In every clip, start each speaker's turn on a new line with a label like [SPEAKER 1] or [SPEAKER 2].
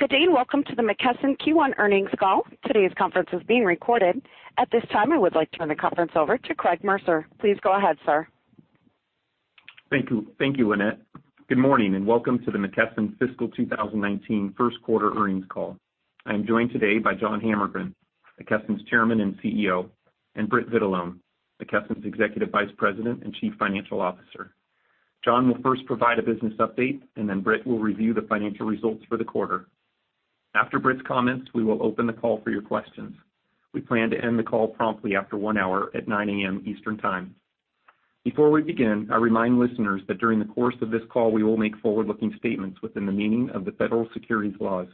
[SPEAKER 1] Good day, welcome to the McKesson Q1 earnings call. Today's conference is being recorded. At this time, I would like to turn the conference over to Craig Mercer. Please go ahead, sir.
[SPEAKER 2] Thank you, Lynette. Good morning, welcome to the McKesson fiscal 2019 first quarter earnings call. I am joined today by John Hammergren, McKesson's Chairman and CEO, Britt Vitalone, McKesson's Executive Vice President and Chief Financial Officer. John will first provide a business update. Britt will review the financial results for the quarter. After Britt's comments, we will open the call for your questions. We plan to end the call promptly after one hour at 9:00 A.M. Eastern Time. Before we begin, I remind listeners that during the course of this call, we will make forward-looking statements within the meaning of the federal securities laws.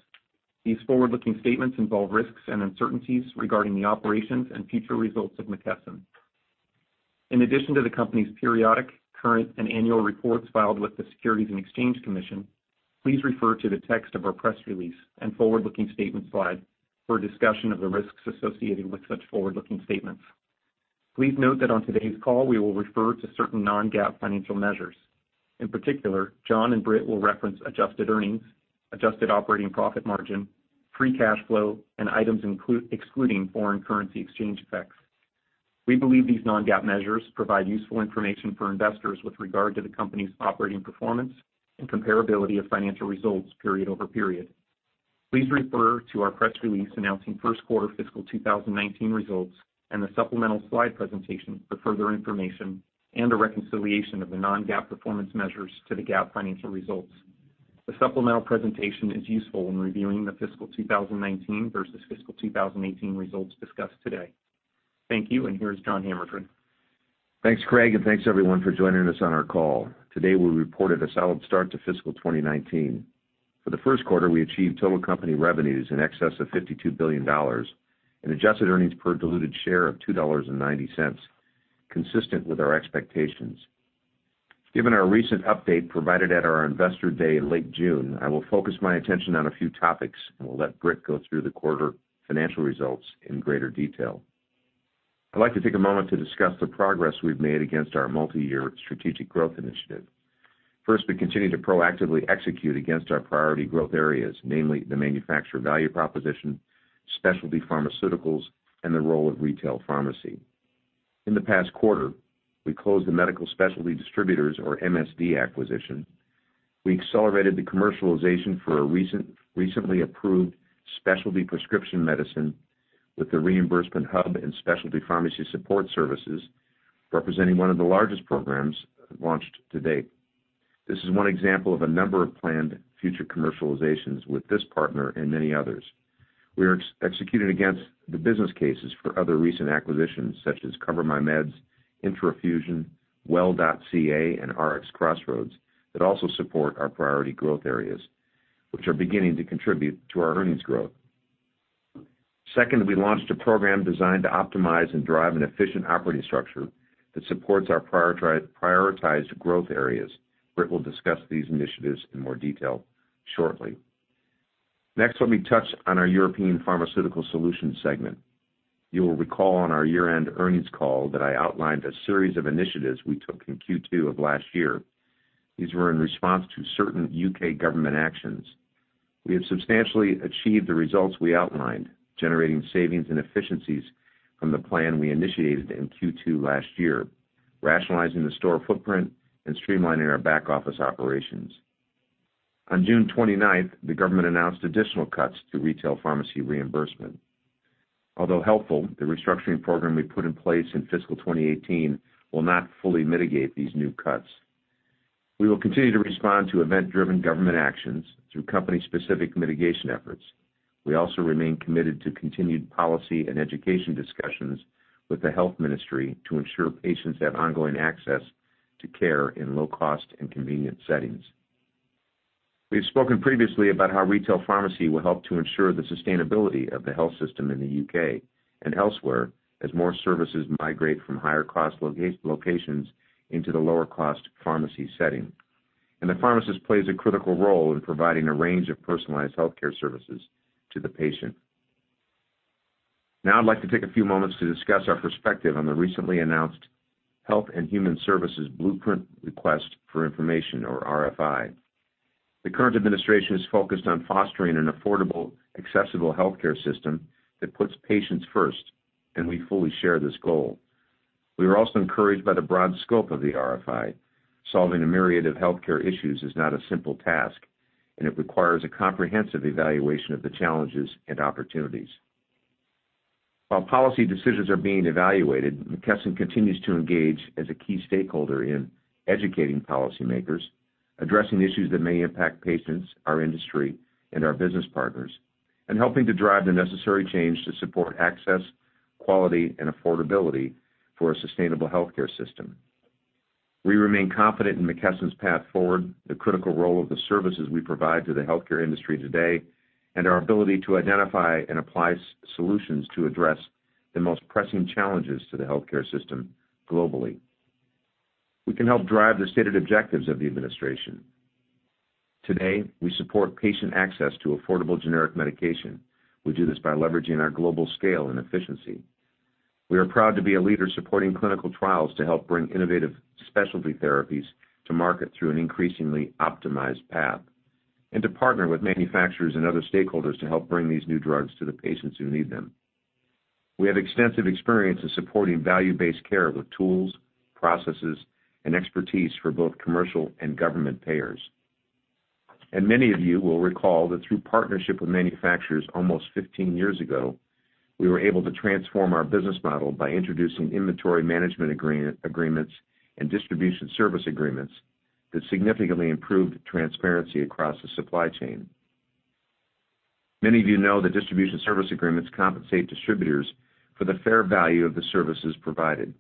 [SPEAKER 2] These forward-looking statements involve risks and uncertainties regarding the operations and future results of McKesson. In addition to the company's periodic, current, and annual reports filed with the Securities and Exchange Commission, please refer to the text of our press release and forward-looking statements slide for a discussion of the risks associated with such forward-looking statements. Please note that on today's call, we will refer to certain non-GAAP financial measures. In particular, John and Britt will reference adjusted earnings, adjusted operating profit margin, free cash flow, and items excluding foreign currency exchange effects. We believe these non-GAAP measures provide useful information for investors with regard to the company's operating performance and comparability of financial results period over period. Please refer to our press release announcing first-quarter fiscal 2019 results and the supplemental slide presentation for further information and a reconciliation of the non-GAAP performance measures to the GAAP financial results. The supplemental presentation is useful when reviewing the fiscal 2019 versus fiscal 2018 results discussed today. Thank you, here is John Hammergren.
[SPEAKER 3] Thanks, Craig, and thanks, everyone, for joining us on our call. Today, we reported a solid start to fiscal 2019. For the first quarter, we achieved total company revenues in excess of $52 billion and adjusted earnings per diluted share of $2.90, consistent with our expectations. Given our recent update provided at our Investor Day in late June, I will focus my attention on a few topics. We'll let Britt go through the quarter financial results in greater detail. I'd like to take a moment to discuss the progress we've made against our multi-year strategic growth initiative. First, we continue to proactively execute against our priority growth areas, namely the manufacturer value proposition, specialty pharmaceuticals, and the role of retail pharmacy. In the past quarter, we closed the Medical Specialties Distributors, or MSD, acquisition. We accelerated the commercialization for a recently approved specialty prescription medicine with the reimbursement hub and specialty pharmacy support services, representing one of the largest programs launched to date. This is one example of a number of planned future commercializations with this partner and many others. We are executing against the business cases for other recent acquisitions such as CoverMyMeds, IntraFusion, Well.ca, and RxCrossroads that also support our priority growth areas, which are beginning to contribute to our earnings growth. Second, we launched a program designed to optimize and drive an efficient operating structure that supports our prioritized growth areas, where we'll discuss these initiatives in more detail shortly. Next, let me touch on our European Pharmaceutical Solutions segment. You will recall on our year-end earnings call that I outlined a series of initiatives we took in Q2 of last year. These were in response to certain U.K. government actions. We have substantially achieved the results we outlined, generating savings and efficiencies from the plan we initiated in Q2 last year, rationalizing the store footprint and streamlining our back-office operations. On June 29th, the government announced additional cuts to retail pharmacy reimbursement. Although helpful, the restructuring program we put in place in fiscal 2018 will not fully mitigate these new cuts. We will continue to respond to event-driven government actions through company-specific mitigation efforts. We also remain committed to continued policy and education discussions with the Health Ministry to ensure patients have ongoing access to care in low-cost and convenient settings. We've spoken previously about how retail pharmacy will help to ensure the sustainability of the health system in the U.K. and elsewhere as more services migrate from higher-cost locations into the lower-cost pharmacy setting. The pharmacist plays a critical role in providing a range of personalized healthcare services to the patient. Now I'd like to take a few moments to discuss our perspective on the recently announced Department of Health and Human Services Blueprint Request for Information, or RFI. The current administration is focused on fostering an affordable, accessible healthcare system that puts patients first. We fully share this goal. We are also encouraged by the broad scope of the RFI. Solving a myriad of healthcare issues is not a simple task. It requires a comprehensive evaluation of the challenges and opportunities. While policy decisions are being evaluated, McKesson continues to engage as a key stakeholder in educating policymakers, addressing issues that may impact patients, our industry, and our business partners, and helping to drive the necessary change to support access, quality, and affordability for a sustainable healthcare system. We remain confident in McKesson's path forward, the critical role of the services we provide to the healthcare industry today, and our ability to identify and apply solutions to address the most pressing challenges to the healthcare system globally. We can help drive the stated objectives of the administration. Today, we support patient access to affordable generic medication. We do this by leveraging our global scale and efficiency. We are proud to be a leader supporting clinical trials to help bring innovative specialty therapies to market through an increasingly optimized path, and to partner with manufacturers and other stakeholders to help bring these new drugs to the patients who need them. We have extensive experience in supporting value-based care with tools, processes, and expertise for both commercial and government payers. Many of you will recall that through partnership with manufacturers almost 15 years ago, we were able to transform our business model by introducing inventory management agreements and distribution service agreements that significantly improved transparency across the supply chain. Many of you know that distribution service agreements compensate distributors for the fair value of the services provided.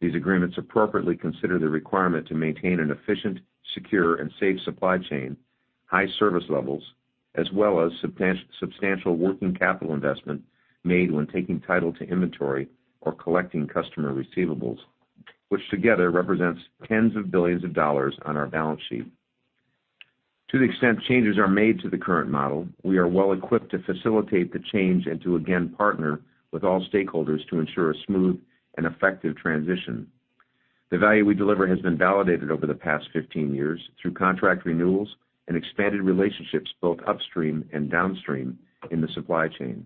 [SPEAKER 3] These agreements appropriately consider the requirement to maintain an efficient, secure, and safe supply chain, high service levels, as well as substantial working capital investment made when taking title to inventory or collecting customer receivables, which together represents tens of billions of dollars on our balance sheet. To the extent changes are made to the current model, we are well-equipped to facilitate the change and to again partner with all stakeholders to ensure a smooth and effective transition. The value we deliver has been validated over the past 15 years through contract renewals and expanded relationships both upstream and downstream in the supply chain.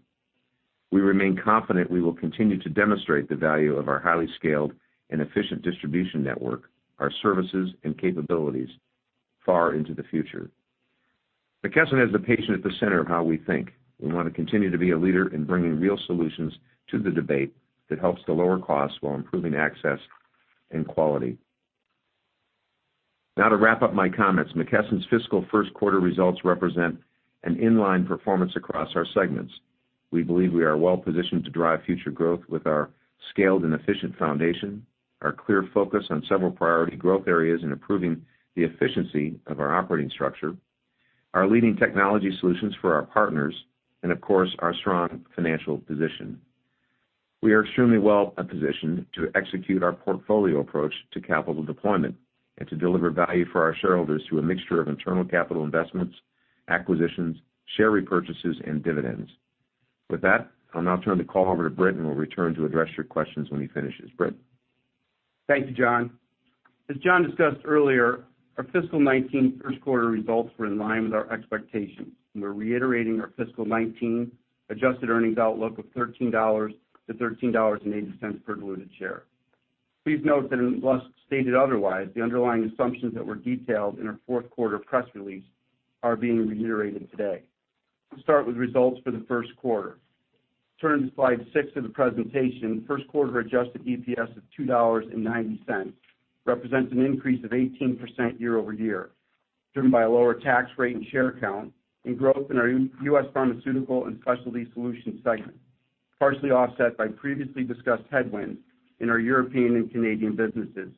[SPEAKER 3] We remain confident we will continue to demonstrate the value of our highly scaled and efficient distribution network, our services, and capabilities far into the future. McKesson has the patient at the center of how we think. We want to continue to be a leader in bringing real solutions to the debate that helps to lower costs while improving access and quality. Now to wrap up my comments, McKesson's fiscal first quarter results represent an in-line performance across our segments. We believe we are well-positioned to drive future growth with our scaled and efficient foundation, our clear focus on several priority growth areas, and improving the efficiency of our operating structure, our leading technology solutions for our partners, and of course, our strong financial position. We are extremely well positioned to execute our portfolio approach to capital deployment and to deliver value for our shareholders through a mixture of internal capital investments, acquisitions, share repurchases, and dividends. With that, I'll now turn the call over to Britt, and will return to address your questions when he finishes. Britt.
[SPEAKER 4] Thank you, John. As John discussed earlier, our fiscal 2019 first quarter results were in line with our expectations, and we're reiterating our fiscal 2019 adjusted earnings outlook of $13 to $13.80 per diluted share. Please note that unless stated otherwise, the underlying assumptions that were detailed in our fourth quarter press release are being reiterated today. Let's start with results for the first quarter. Turning to slide six of the presentation, first quarter adjusted EPS of $2.90 represents an increase of 18% year-over-year, driven by a lower tax rate and share count and growth in our U.S. Pharmaceutical and Specialty Solutions segment, partially offset by previously discussed headwinds in our European and Canadian businesses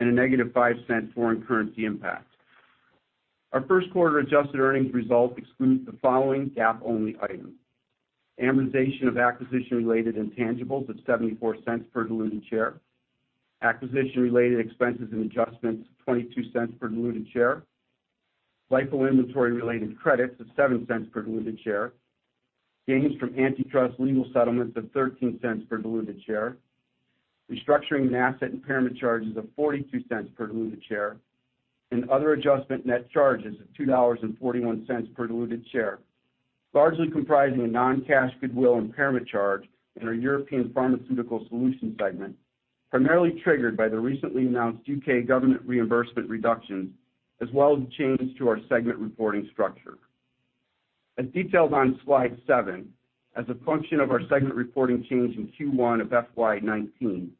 [SPEAKER 4] and a negative $0.05 foreign currency impact. Our first quarter adjusted earnings result excludes the following GAAP-only items: amortization of acquisition-related intangibles of $0.74 per diluted share, acquisition-related expenses and adjustments of $0.22 per diluted share, cycle inventory-related credits of $0.07 per diluted share, gains from antitrust legal settlements of $0.13 per diluted share, restructuring and asset impairment charges of $0.42 per diluted share, and other adjustment net charges of $2.41 per diluted share, largely comprising a non-cash goodwill impairment charge in our European Pharmaceutical Solutions segment, primarily triggered by the recently announced U.K. government reimbursement reductions, as well as changes to our segment reporting structure. As detailed on slide seven, as a function of our segment reporting change in Q1 of FY 2019,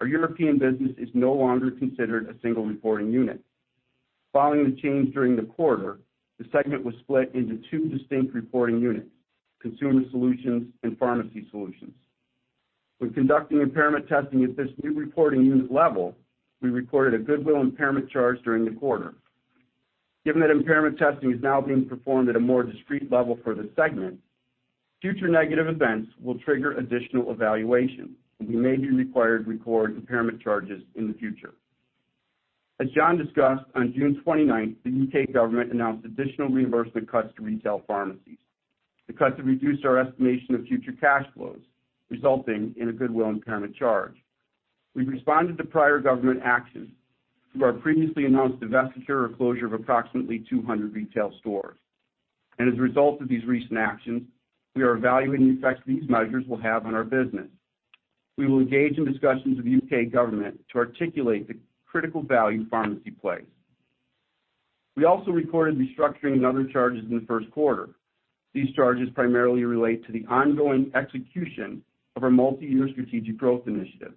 [SPEAKER 4] our European business is no longer considered a single reporting unit. Following the change during the quarter, the segment was split into two distinct reporting units, Consumer Solutions and Pharmacy Solutions. When conducting impairment testing at this new reporting unit level, we reported a goodwill impairment charge during the quarter. Given that impairment testing is now being performed at a more discrete level for the segment, future negative events will trigger additional evaluation, and we may be required to record impairment charges in the future. As John discussed, on June 29th, the U.K. government announced additional reimbursement cuts to retail pharmacies. The cuts have reduced our estimation of future cash flows, resulting in a goodwill impairment charge. We've responded to prior government action through our previously announced divestiture or closure of approximately 200 retail stores. As a result of these recent actions, we are evaluating the effects these measures will have on our business. We will engage in discussions with the U.K. government to articulate the critical value pharmacy plays. We also recorded restructuring and other charges in the first quarter. These charges primarily relate to the ongoing execution of our multiyear strategic growth initiative.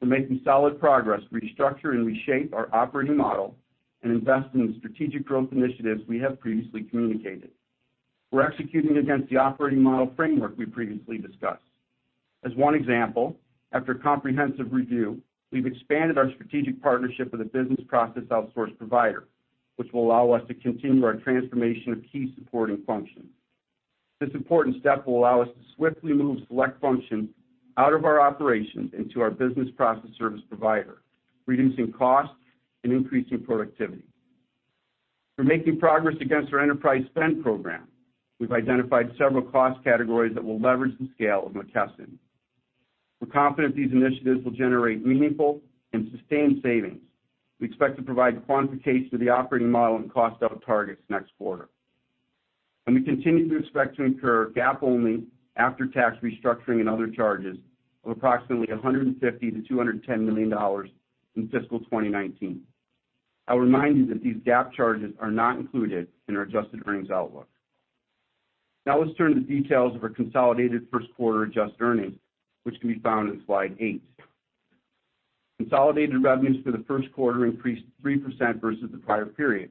[SPEAKER 4] We're making solid progress to restructure and reshape our operating model and invest in the strategic growth initiatives we have previously communicated. We're executing against the operating model framework we previously discussed. As one example, after a comprehensive review, we've expanded our strategic partnership with a business process outsource provider, which will allow us to continue our transformation of key supporting functions. This important step will allow us to swiftly move select functions out of our operation into our business process service provider, reducing costs and increasing productivity. We're making progress against our enterprise spend program. We've identified several cost categories that will leverage the scale of McKesson. We're confident these initiatives will generate meaningful and sustained savings. We expect to provide quantifications to the operating model and cost out targets next quarter. We continue to expect to incur GAAP-only after-tax restructuring and other charges of approximately $150 million-$210 million in fiscal 2019. I'll remind you that these GAAP charges are not included in our adjusted earnings outlook. Let's turn to the details of our consolidated first quarter adjusted earnings, which can be found on slide eight. Consolidated revenues for the first quarter increased 3% versus the prior period,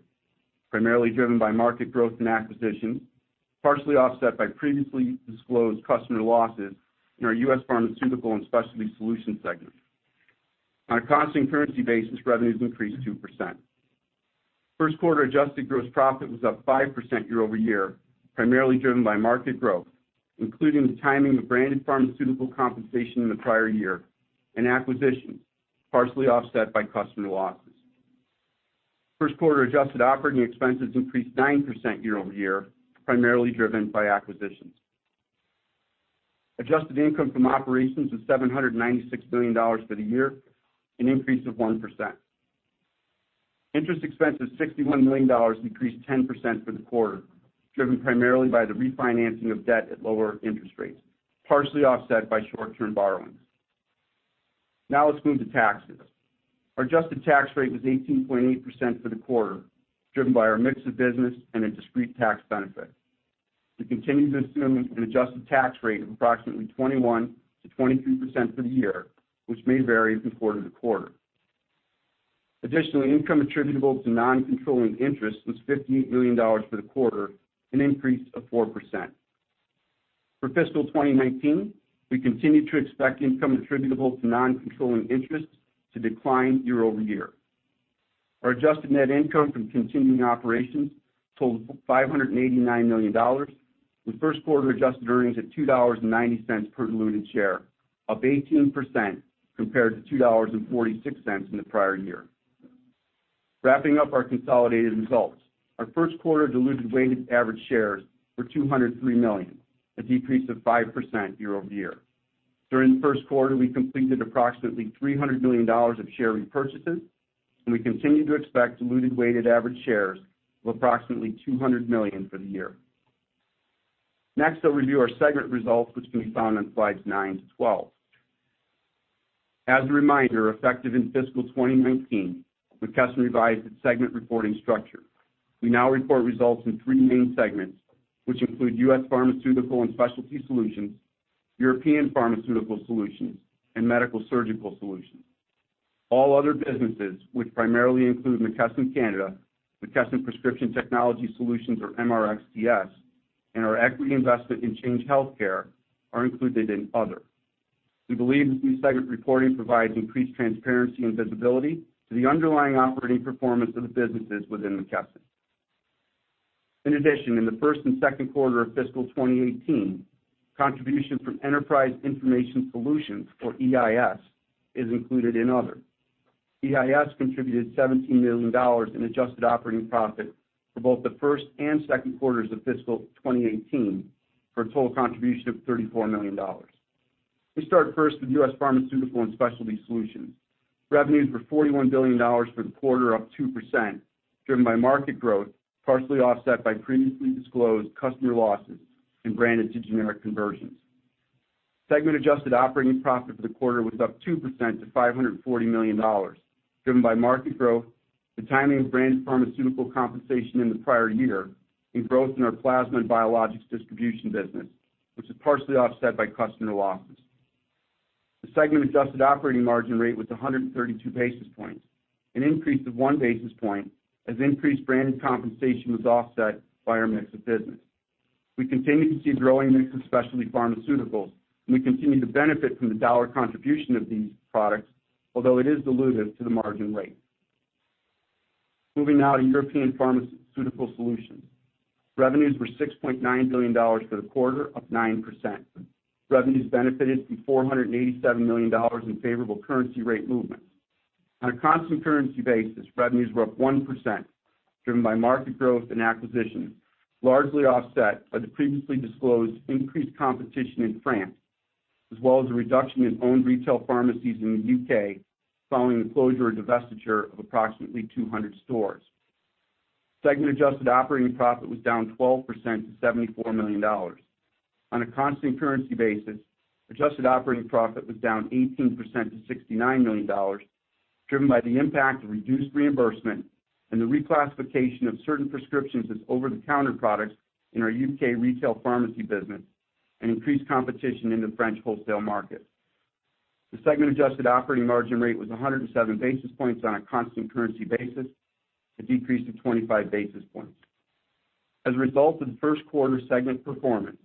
[SPEAKER 4] primarily driven by market growth and acquisition, partially offset by previously disclosed customer losses in our U.S. Pharmaceutical and Specialty Solutions segment. On a constant currency basis, revenues increased 2%. First quarter adjusted gross profit was up 5% year-over-year, primarily driven by market growth, including the timing of branded pharmaceutical compensation in the prior year and acquisitions, partially offset by customer losses. First quarter adjusted operating expenses increased 9% year-over-year, primarily driven by acquisitions. Adjusted income from operations was $796 million for the year, an increase of 1%. Interest expense of $61 million decreased 10% for the quarter, driven primarily by the refinancing of debt at lower interest rates, partially offset by short-term borrowings. Let's move to taxes. Our adjusted tax rate was 18.8% for the quarter, driven by our mix of business and a discrete tax benefit. We continue to assume an adjusted tax rate of approximately 21%-23% for the year, which may vary from quarter to quarter. Additionally, income attributable to non-controlling interest was $58 million for the quarter, an increase of 4%. For fiscal 2019, we continue to expect income attributable to non-controlling interests to decline year-over-year. Our adjusted net income from continuing operations totaled $589 million with first-quarter adjusted earnings at $2.90 per diluted share, up 18% compared to $2.46 in the prior year. Wrapping up our consolidated results, our first quarter diluted weighted average shares were 203 million, a decrease of 5% year-over-year. During the first quarter, we completed approximately $300 million of share repurchases, and we continue to expect diluted weighted average shares of approximately 200 million for the year. I'll review our segment results, which can be found on slides nine to 12. As a reminder, effective in fiscal 2019, McKesson revised its segment reporting structure. We now report results in three main segments, which include U.S. Pharmaceutical and Specialty Solutions, European Pharmaceutical Solutions, and Medical-Surgical Solutions. All other businesses, which primarily include McKesson Canada, McKesson Prescription Technology Solutions or MRxTS, and our equity investment in Change Healthcare, are included in Other. We believe that new segment reporting provides increased transparency and visibility to the underlying operating performance of the businesses within McKesson. In addition, in the first and second quarter of fiscal 2018, contribution from Enterprise Information Solutions, or EIS, is included in Other. EIS contributed $17 million in adjusted operating profit for both the first and second quarters of fiscal 2018 for a total contribution of $34 million. We start first with U.S. Pharmaceutical and Specialty Solutions. Revenues were $41 billion for the quarter, up 2%, driven by market growth, partially offset by previously disclosed customer losses and branded to generic conversions. Segment adjusted operating profit for the quarter was up 2% to $540 million, driven by market growth, the timing of branded pharmaceutical compensation in the prior year, and growth in our plasma and biologics distribution business, which is partially offset by customer losses. The segment-adjusted operating margin rate was 132 basis points, an increase of one basis point as increased branded compensation was offset by our mix of business. We continue to see growing mix of specialty pharmaceuticals, and we continue to benefit from the dollar contribution of these products, although it is dilutive to the margin rate. Moving now to European Pharmaceutical Solutions. Revenues were $6.9 billion for the quarter, up 9%. Revenues benefited from $487 million in favorable currency rate movements. On a constant currency basis, revenues were up 1%, driven by market growth and acquisition, largely offset by the previously disclosed increased competition in France, as well as a reduction in owned retail pharmacies in the U.K. following the closure or divestiture of approximately 200 stores. Segment adjusted operating profit was down 12% to $74 million. On a constant currency basis, adjusted operating profit was down 18% to $69 million, driven by the impact of reduced reimbursement and the reclassification of certain prescriptions as over-the-counter products in our U.K. retail pharmacy business and increased competition in the French wholesale market. The segment adjusted operating margin rate was 107 basis points on a constant currency basis, a decrease of 25 basis points. As a result of the first quarter segment performance,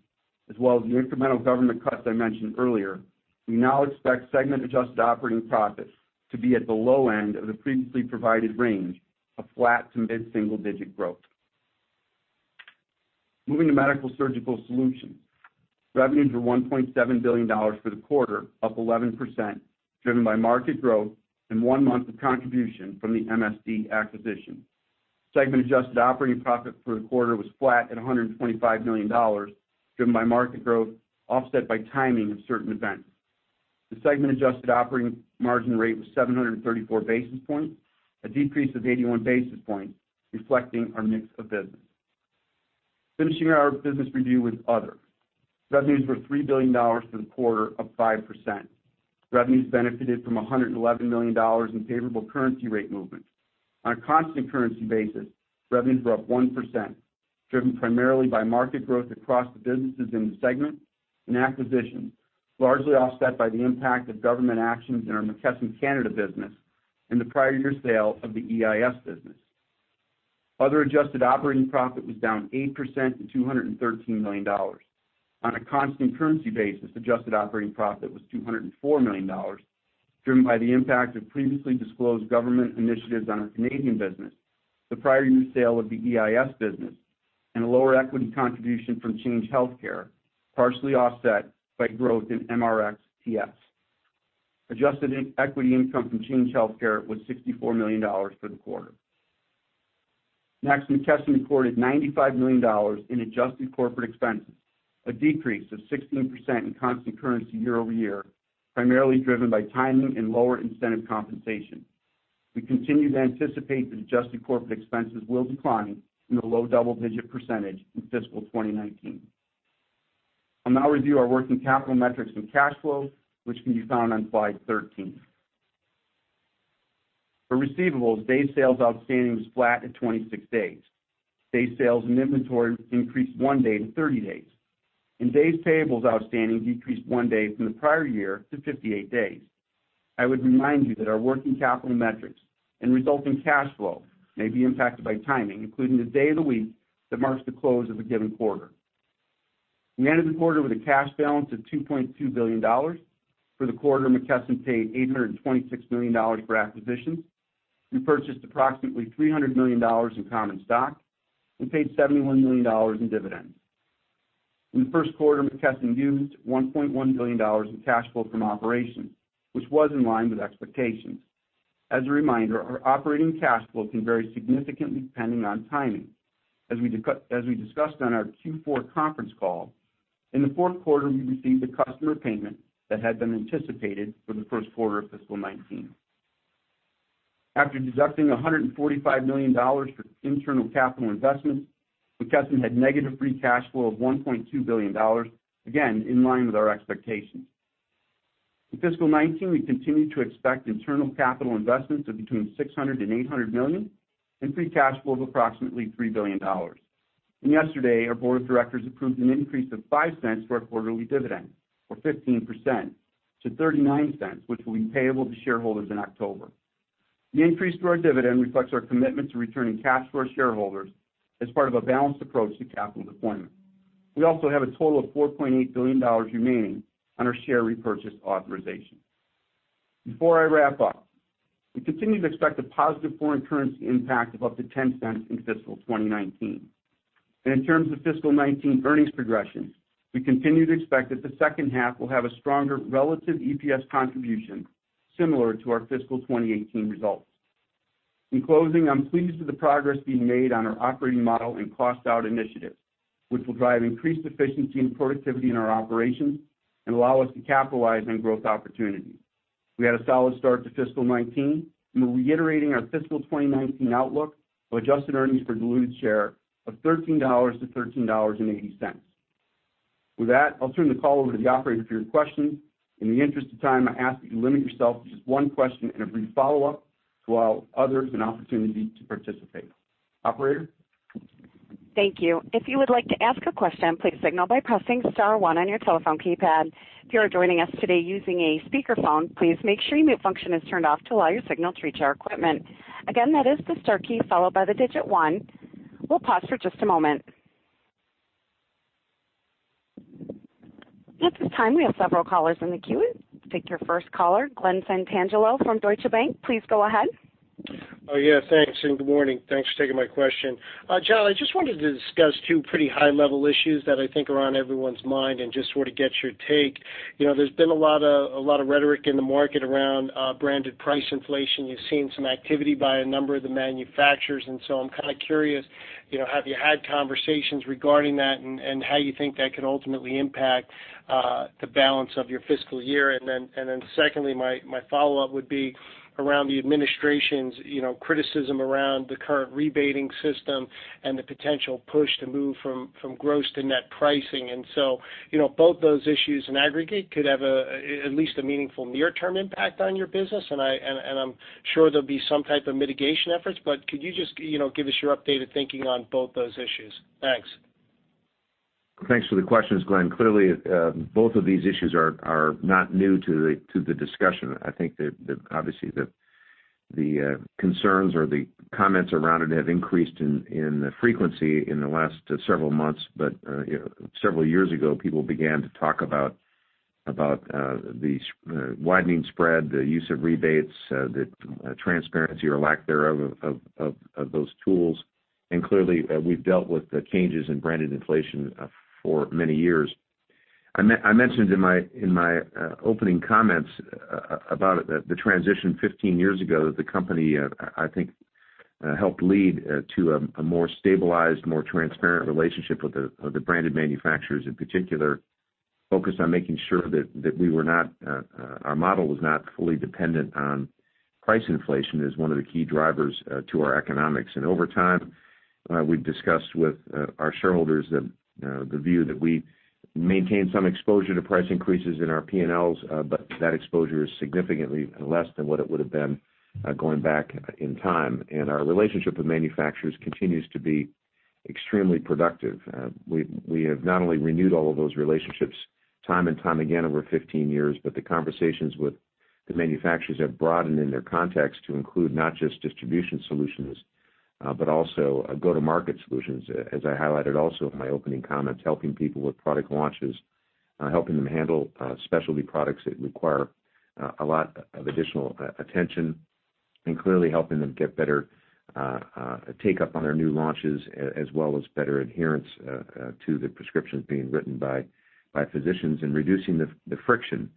[SPEAKER 4] as well as the incremental government cuts I mentioned earlier, we now expect segment-adjusted operating profits to be at the low end of the previously provided range of flat to mid-single digit growth. Moving to Medical-Surgical Solutions. Revenues were $1.7 billion for the quarter, up 11%, driven by market growth and one month of contribution from the MSD acquisition. Segment adjusted operating profit for the quarter was flat at $125 million, driven by market growth, offset by timing of certain events. The segment adjusted operating margin rate was 734 basis points, a decrease of 81 basis points, reflecting our mix of business. Finishing our business review with other. Revenues were $3 billion for the quarter, up 5%. Revenues benefited from $111 million in favorable currency rate movement. On a constant currency basis, revenues were up 1%, driven primarily by market growth across the businesses in the segment and acquisitions, largely offset by the impact of government actions in our McKesson Canada business and the prior year sale of the EIS business. Other adjusted operating profit was down 8% to $213 million. On a constant currency basis, adjusted operating profit was $204 million, driven by the impact of previously disclosed government initiatives on our Canadian business, the prior year sale of the EIS business, and a lower equity contribution from Change Healthcare, partially offset by growth in MRxTS. Adjusted equity income from Change Healthcare was $64 million for the quarter. McKesson recorded $95 million in adjusted corporate expenses, a decrease of 16% in constant currency year-over-year, primarily driven by timing and lower incentive compensation. We continue to anticipate that adjusted corporate expenses will decline in the low double-digit % in fiscal 2019. I'll now review our working capital metrics and cash flow, which can be found on slide 13. For receivables, days sales outstanding was flat at 26 days. Days sales in inventory increased one day to 30 days, and days payables outstanding decreased one day from the prior year to 58 days. I would remind you that our working capital metrics and resulting cash flow may be impacted by timing, including the day of the week that marks the close of a given quarter. We ended the quarter with a cash balance of $2.2 billion. For the quarter, McKesson paid $826 million for acquisitions. We purchased approximately $300 million in common stock and paid $71 million in dividends. In the first quarter, McKesson used $1.1 billion in cash flow from operations, which was in line with expectations. As a reminder, our operating cash flow can vary significantly depending on timing. As we discussed on our Q4 conference call, in the fourth quarter, we received a customer payment that had been anticipated for the first quarter of fiscal 2019. After deducting $145 million for internal capital investments, McKesson had negative free cash flow of $1.2 billion, again, in line with our expectations. In fiscal 2019, we continue to expect internal capital investments of between $600 million and $800 million, and free cash flow of approximately $3 billion. Yesterday, our board of directors approved an increase of $0.05 to our quarterly dividend, or 15%, to $0.39, which will be payable to shareholders in October. The increase to our dividend reflects our commitment to returning cash to our shareholders as part of a balanced approach to capital deployment. We also have a total of $4.8 billion remaining on our share repurchase authorization. Before I wrap up, we continue to expect a positive foreign currency impact of up to $0.10 in fiscal 2019. In terms of fiscal 2019 earnings progression, we continue to expect that the second half will have a stronger relative EPS contribution, similar to our fiscal 2018 results. In closing, I'm pleased with the progress being made on our operating model and cost-out initiatives, which will drive increased efficiency and productivity in our operations and allow us to capitalize on growth opportunities. We had a solid start to fiscal 2019, and we're reiterating our fiscal 2019 outlook of adjusted earnings per diluted share of $13-$13.80. With that, I'll turn the call over to the operator for your questions. In the interest of time, I ask that you limit yourself to just one question and a brief follow-up to allow others an opportunity to participate. Operator?
[SPEAKER 1] Thank you. If you would like to ask a question, please signal by pressing *1 on your telephone keypad. If you are joining us today using a speakerphone, please make sure your mute function is turned off to allow your signal to reach our equipment. Again, that is the * key followed by the digit one. We'll pause for just a moment. At this time, we have several callers in the queue. Take your first caller, Glen Santangelo from Deutsche Bank. Please go ahead.
[SPEAKER 5] Yeah, thanks. Good morning. Thanks for taking my question. John, I just wanted to discuss two pretty high-level issues that I think are on everyone's mind and just sort of get your take. There's been a lot of rhetoric in the market around branded price inflation. You've seen some activity by a number of the manufacturers. I'm kind of curious, have you had conversations regarding that and how you think that could ultimately impact the balance of your fiscal year? Secondly, my follow-up would be around the administration's criticism around the current rebating system and the potential push to move from gross to net pricing. Both those issues in aggregate could have at least a meaningful near-term impact on your business, and I'm sure there'll be some type of mitigation efforts, but could you just give us your updated thinking on both those issues? Thanks.
[SPEAKER 3] Thanks for the questions, Glen. Clearly, both of these issues are not new to the discussion. I think that obviously the concerns or the comments around it have increased in frequency in the last several months. Several years ago, people began to talk about Clearly, we've dealt with the changes in branded inflation for many years. I mentioned in my opening comments about the transition 15 years ago that the company, I think, helped lead to a more stabilized, more transparent relationship with the branded manufacturers, in particular, focused on making sure that our model was not fully dependent on price inflation as one of the key drivers to our economics. Over time, we've discussed with our shareholders the view that we maintain some exposure to price increases in our P&Ls, but that exposure is significantly less than what it would've been going back in time. Our relationship with manufacturers continues to be extremely productive. We have not only renewed all of those relationships time and time again over 15 years, but the conversations with the manufacturers have broadened in their context to include not just distribution solutions, but also go-to-market solutions, as I highlighted also in my opening comments, helping people with product launches, helping them handle specialty products that require a lot of additional attention, clearly helping them get better take-up on their new launches, as well as better adherence to the prescriptions being written by physicians and reducing the friction.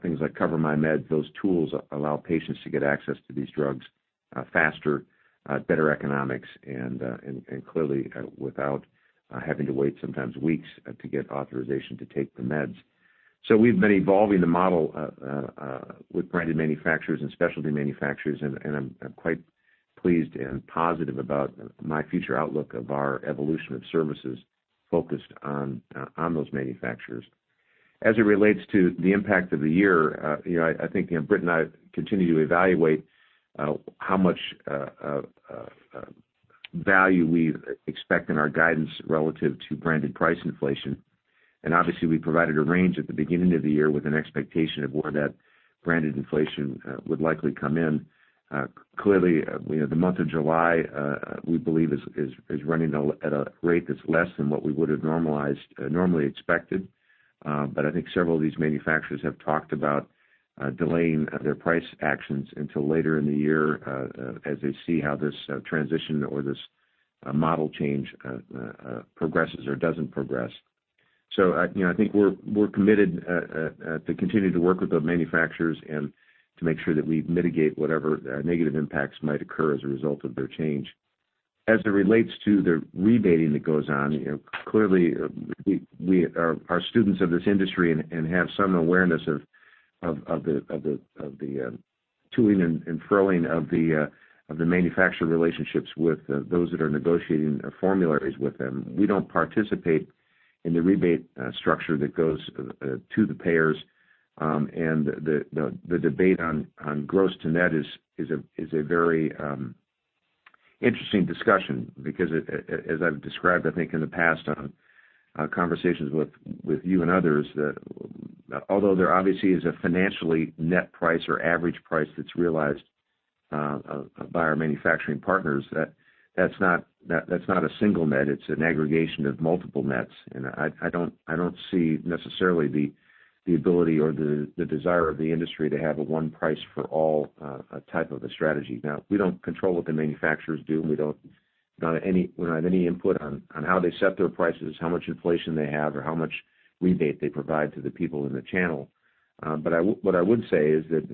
[SPEAKER 3] Things like CoverMyMeds, those tools allow patients to get access to these drugs faster, better economics, and clearly, without having to wait sometimes weeks to get authorization to take the meds. We've been evolving the model with branded manufacturers and specialty manufacturers, I'm quite pleased and positive about my future outlook of our evolution of services focused on those manufacturers. As it relates to the impact of the year, I think Britt and I continue to evaluate how much value we expect in our guidance relative to branded price inflation. Obviously, we provided a range at the beginning of the year with an expectation of where that branded inflation would likely come in. Clearly, the month of July, we believe, is running at a rate that's less than what we would've normally expected. I think several of these manufacturers have talked about delaying their price actions until later in the year, as they see how this transition or this model change progresses or doesn't progress. I think we're committed to continuing to work with those manufacturers and to make sure that we mitigate whatever negative impacts might occur as a result of their change. As it relates to the rebating that goes on, clearly, we are students of this industry and have some awareness of the to-ing and fro-ing of the manufacturer relationships with those that are negotiating formularies with them. We don't participate in the rebate structure that goes to the payers, and the debate on gross to net is a very interesting discussion, because as I've described, I think, in the past on conversations with you and others, that although there obviously is a financially net price or average price that's realized by our manufacturing partners, that's not a single net, it's an aggregation of multiple nets. I don't see necessarily the ability or the desire of the industry to have a one price for all type of a strategy. We don't control what the manufacturers do. We don't have any input on how they set their prices, how much inflation they have, or how much rebate they provide to the people in the channel. What I would say is that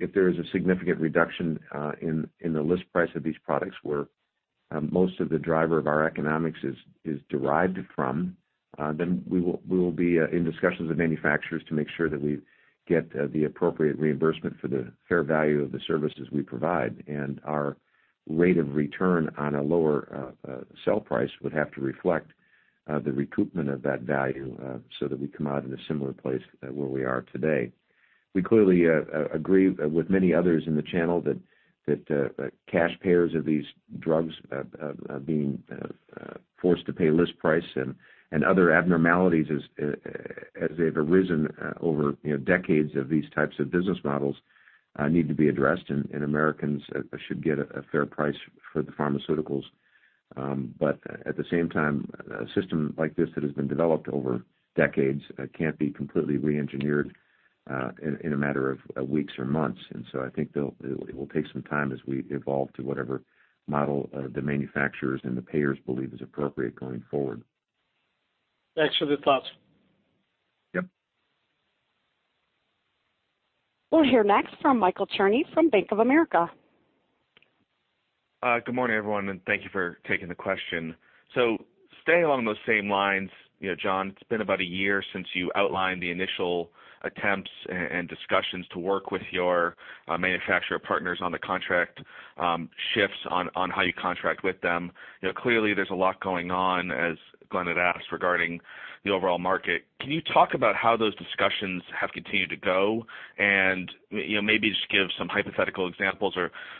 [SPEAKER 3] if there is a significant reduction in the list price of these products where most of the driver of our economics is derived from, we will be in discussions with manufacturers to make sure that we get the appropriate reimbursement for the fair value of the services we provide. Our rate of return on a lower sell price would have to reflect the recoupment of that value so that we come out in a similar place where we are today. We clearly agree with many others in the channel that cash payers of these drugs being forced to pay list price and other abnormalities as they've arisen over decades of these types of business models, need to be addressed, and Americans should get a fair price for the pharmaceuticals. At the same time, a system like this that has been developed over decades can't be completely re-engineered in a matter of weeks or months. I think it will take some time as we evolve to whatever model the manufacturers and the payers believe is appropriate going forward.
[SPEAKER 5] Thanks for the thoughts.
[SPEAKER 3] Yep.
[SPEAKER 1] We'll hear next from Michael Cherny from Bank of America.
[SPEAKER 6] Good morning, everyone, and thank you for taking the question. Staying along those same lines, John, it's been about a year since you outlined the initial attempts and discussions to work with your manufacturer partners on the contract shifts on how you contract with them. Clearly, there's a lot going on, as Glen had asked, regarding the overall market. Can you talk about how those discussions have continued to go? Maybe just give some hypothetical examples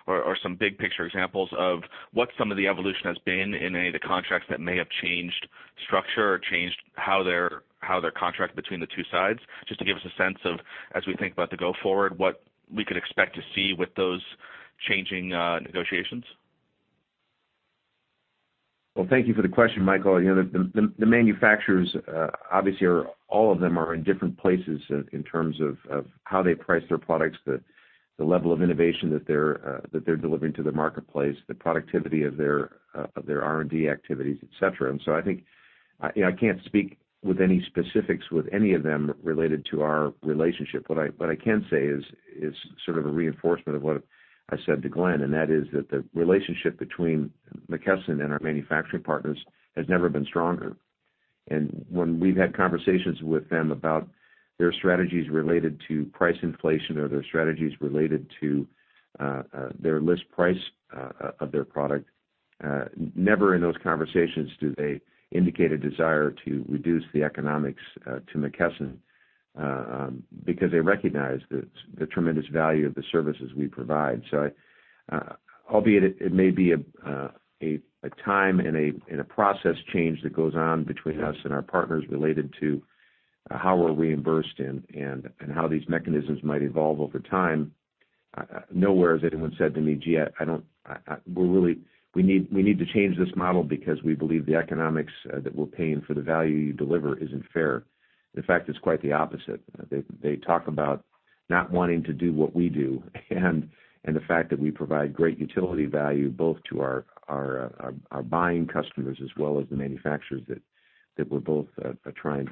[SPEAKER 6] or some big-picture examples of what some of the evolution has been in any of the contracts that may have changed structure or changed how they're contracted between the two sides, just to give us a sense of, as we think about the go forward, what we could expect to see with those changing negotiations.
[SPEAKER 3] Thank you for the question, Michael. The manufacturers, obviously, all of them are in different places in terms of how they price their products, the level of innovation that they're delivering to the marketplace, the productivity of their R&D activities, et cetera. I think, I can't speak with any specifics with any of them related to our relationship. What I can say is sort of a reinforcement of what I said to Glen, and that is that the relationship between McKesson and our manufacturing partners has never been stronger. When we've had conversations with them about their strategies related to price inflation or their strategies related to their list price of their product, never in those conversations do they indicate a desire to reduce the economics to McKesson, because they recognize the tremendous value of the services we provide. Albeit, it may be a time and a process change that goes on between us and our partners related to how we're reimbursed and how these mechanisms might evolve over time. Nowhere has anyone said to me, "Gee, we need to change this model because we believe the economics that we're paying for the value you deliver isn't fair." In fact, it's quite the opposite. They talk about not wanting to do what we do and the fact that we provide great utility value both to our buying customers as well as the manufacturers that we're both trying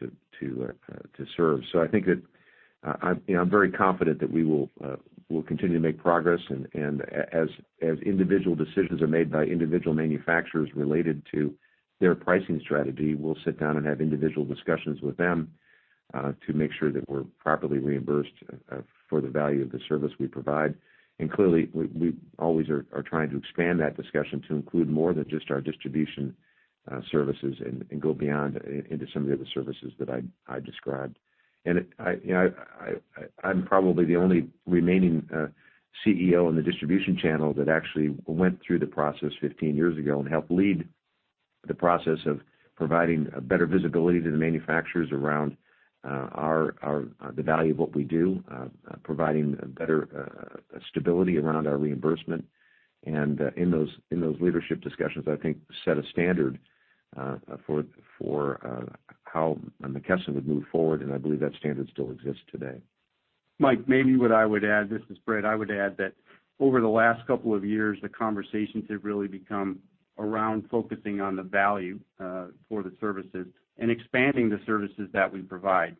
[SPEAKER 3] to serve. I'm very confident that we'll continue to make progress, as individual decisions are made by individual manufacturers related to their pricing strategy, we'll sit down and have individual discussions with them, to make sure that we're properly reimbursed for the value of the service we provide. Clearly, we always are trying to expand that discussion to include more than just our distribution services and go beyond into some of the other services that I described. I'm probably the only remaining CEO in the distribution channel that actually went through the process 15 years ago and helped lead the process of providing better visibility to the manufacturers around the value of what we do, providing better stability around our reimbursement. In those leadership discussions, I think set a standard for how McKesson would move forward, and I believe that standard still exists today.
[SPEAKER 4] Mike, maybe what I would add, this is Britt, I would add that over the last couple of years, the conversations have really become around focusing on the value for the services and expanding the services that we provide,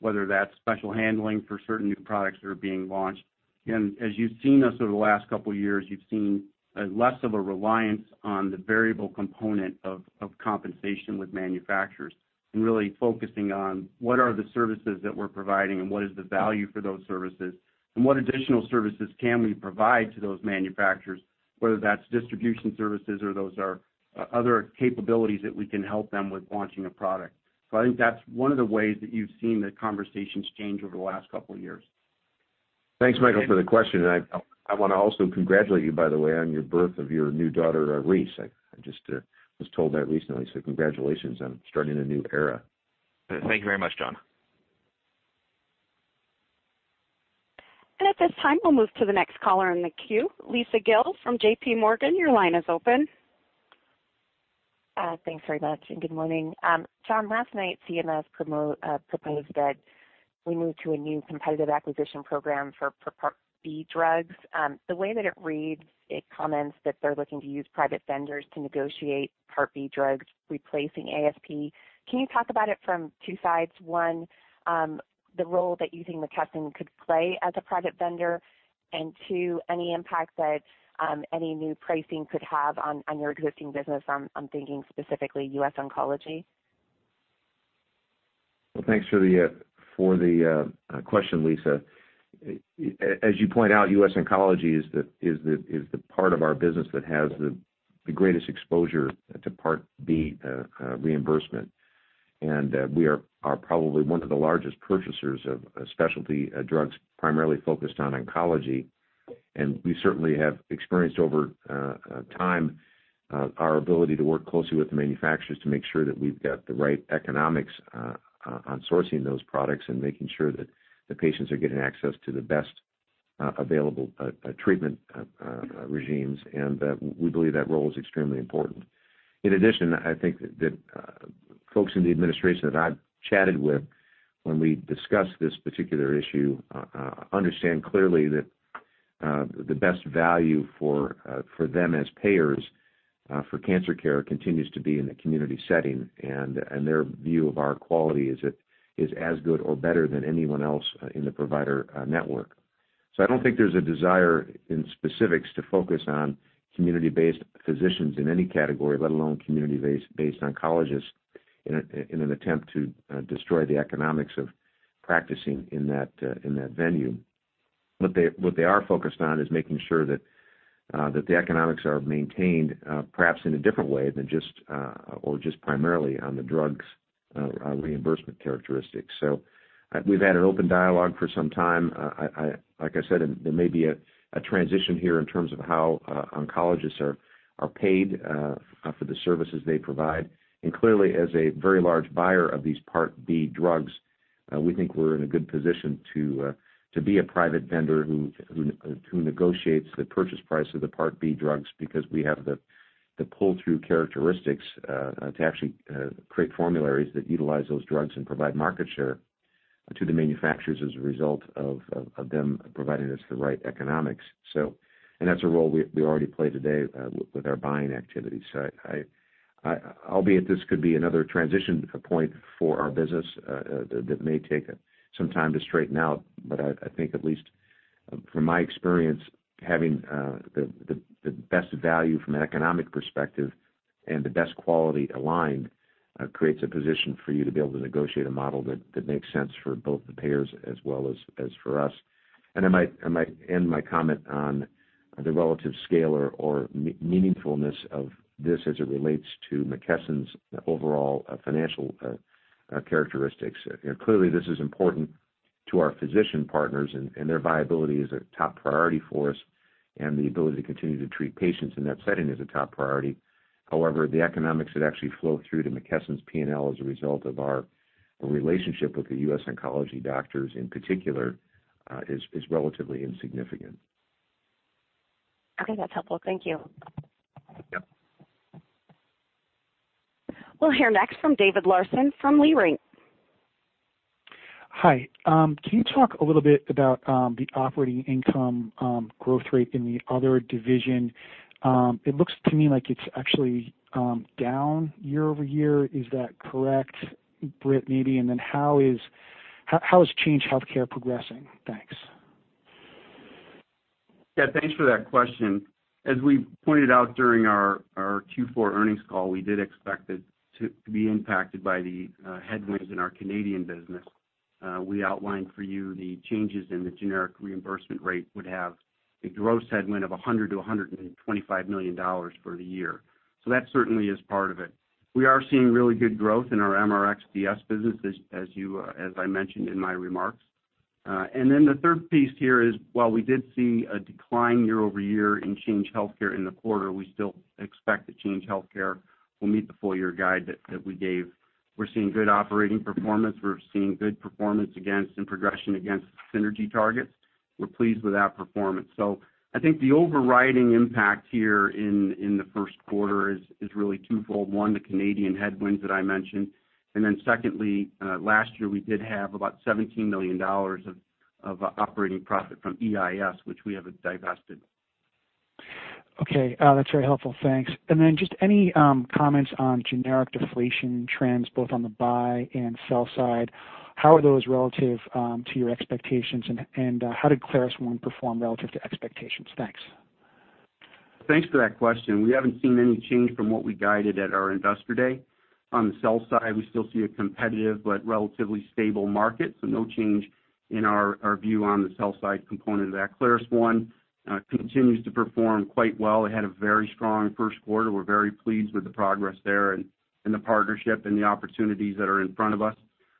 [SPEAKER 4] whether that's special handling for certain new products that are being launched. As you've seen us over the last couple of years, you've seen less of a reliance on the variable component of compensation with manufacturers and really focusing on what are the services that we're providing and what is the value for those services, and what additional services can we provide to those manufacturers, whether that's distribution services or those are other capabilities that we can help them with launching a product. I think that's one of the ways that you've seen the conversations change over the last couple of years.
[SPEAKER 3] Thanks, Michael, for the question. I want to also congratulate you, by the way, on your birth of your new daughter, Reese. I just was told that recently. Congratulations on starting a new era.
[SPEAKER 6] Thank you very much, John.
[SPEAKER 1] At this time, we'll move to the next caller in the queue. Lisa Gill from JPMorgan, your line is open.
[SPEAKER 7] Thanks very much, and good morning. John, last night, CMS proposed that we move to a new Competitive Acquisition Program for Part B drugs. The way that it reads, it comments that they're looking to use private vendors to negotiate Part B drugs, replacing ASP. Can you talk about it from two sides? One, the role that you think McKesson could play as a private vendor, and two, any impact that any new pricing could have on your existing business? I'm thinking specifically US Oncology.
[SPEAKER 3] Well, thanks for the question, Lisa. As you point out, US Oncology is the part of our business that has the greatest exposure to Part B reimbursement. We are probably one of the largest purchasers of specialty drugs, primarily focused on oncology. We certainly have experienced over time, our ability to work closely with the manufacturers to make sure that we've got the right economics on sourcing those products and making sure that the patients are getting access to the best available treatment regimes, and we believe that role is extremely important. In addition, I think that folks in the administration that I've chatted with when we discussed this particular issue, understand clearly that the best value for them as payers for cancer care continues to be in the community setting, and their view of our quality is as good or better than anyone else in the provider network. I don't think there's a desire in specifics to focus on community-based physicians in any category, let alone community-based oncologists, in an attempt to destroy the economics of practicing in that venue. What they are focused on is making sure that the economics are maintained, perhaps in a different way than just, or just primarily on the drugs reimbursement characteristics. We've had an open dialogue for some time. Like I said, there may be a transition here in terms of how oncologists are paid for the services they provide. Clearly, as a very large buyer of these Part B drugs. We think we're in a good position to be a private vendor who negotiates the purchase price of the Part B drugs because we have the pull-through characteristics, to actually create formularies that utilize those drugs and provide market share to the manufacturers as a result of them providing us the right economics. That's a role we already play today with our buying activities. Albeit, this could be another transition point for our business that may take some time to straighten out. I think at least from my experience, having the best value from an economic perspective and the best quality aligned creates a position for you to be able to negotiate a model that makes sense for both the payers as well as for us. I might end my comment on the relative scale or meaningfulness of this as it relates to McKesson's overall financial characteristics. Clearly, this is important to our physician partners, and their viability is a top priority for us, and the ability to continue to treat patients in that setting is a top priority. However, the economics that actually flow through to McKesson's P&L as a result of our relationship with the US Oncology doctors, in particular, is relatively insignificant.
[SPEAKER 7] Okay. That's helpful. Thank you.
[SPEAKER 3] Yep.
[SPEAKER 1] We'll hear next from David Larsen from Leerink.
[SPEAKER 8] Hi. Can you talk a little bit about the operating income growth rate in the other division? It looks to me like it's actually down year-over-year. Is that correct, Britt, maybe? Then how is Change Healthcare progressing? Thanks.
[SPEAKER 4] Yeah, thanks for that question. As we pointed out during our Q4 earnings call, we did expect it to be impacted by the headwinds in our Canadian business. We outlined for you the changes in the generic reimbursement rate would have a gross headwind of $100 million-$125 million for the year. That certainly is part of it. We are seeing really good growth in our MRxTS business as I mentioned in my remarks. The third piece here is, while we did see a decline year-over-year in Change Healthcare in the quarter, we still expect that Change Healthcare will meet the full-year guide that we gave. We're seeing good operating performance. We're seeing good performance against and progression against synergy targets. We're pleased with that performance. I think the overriding impact here in the first quarter is really twofold. One, the Canadian headwinds that I mentioned, secondly, last year we did have about $17 million of operating profit from EIS, which we have divested.
[SPEAKER 8] Okay. That's very helpful. Thanks. Just any comments on generic deflation trends both on the buy and sell side. How are those relative to your expectations, and how did ClarusONE perform relative to expectations? Thanks.
[SPEAKER 4] Thanks for that question. We haven't seen any change from what we guided at our Investor Day. On the sell side, we still see a competitive but relatively stable market, no change in our view on the sell side component of that. ClarusONE continues to perform quite well. It had a very strong first quarter. We're very pleased with the progress there and the partnership and the opportunities that are in front of us.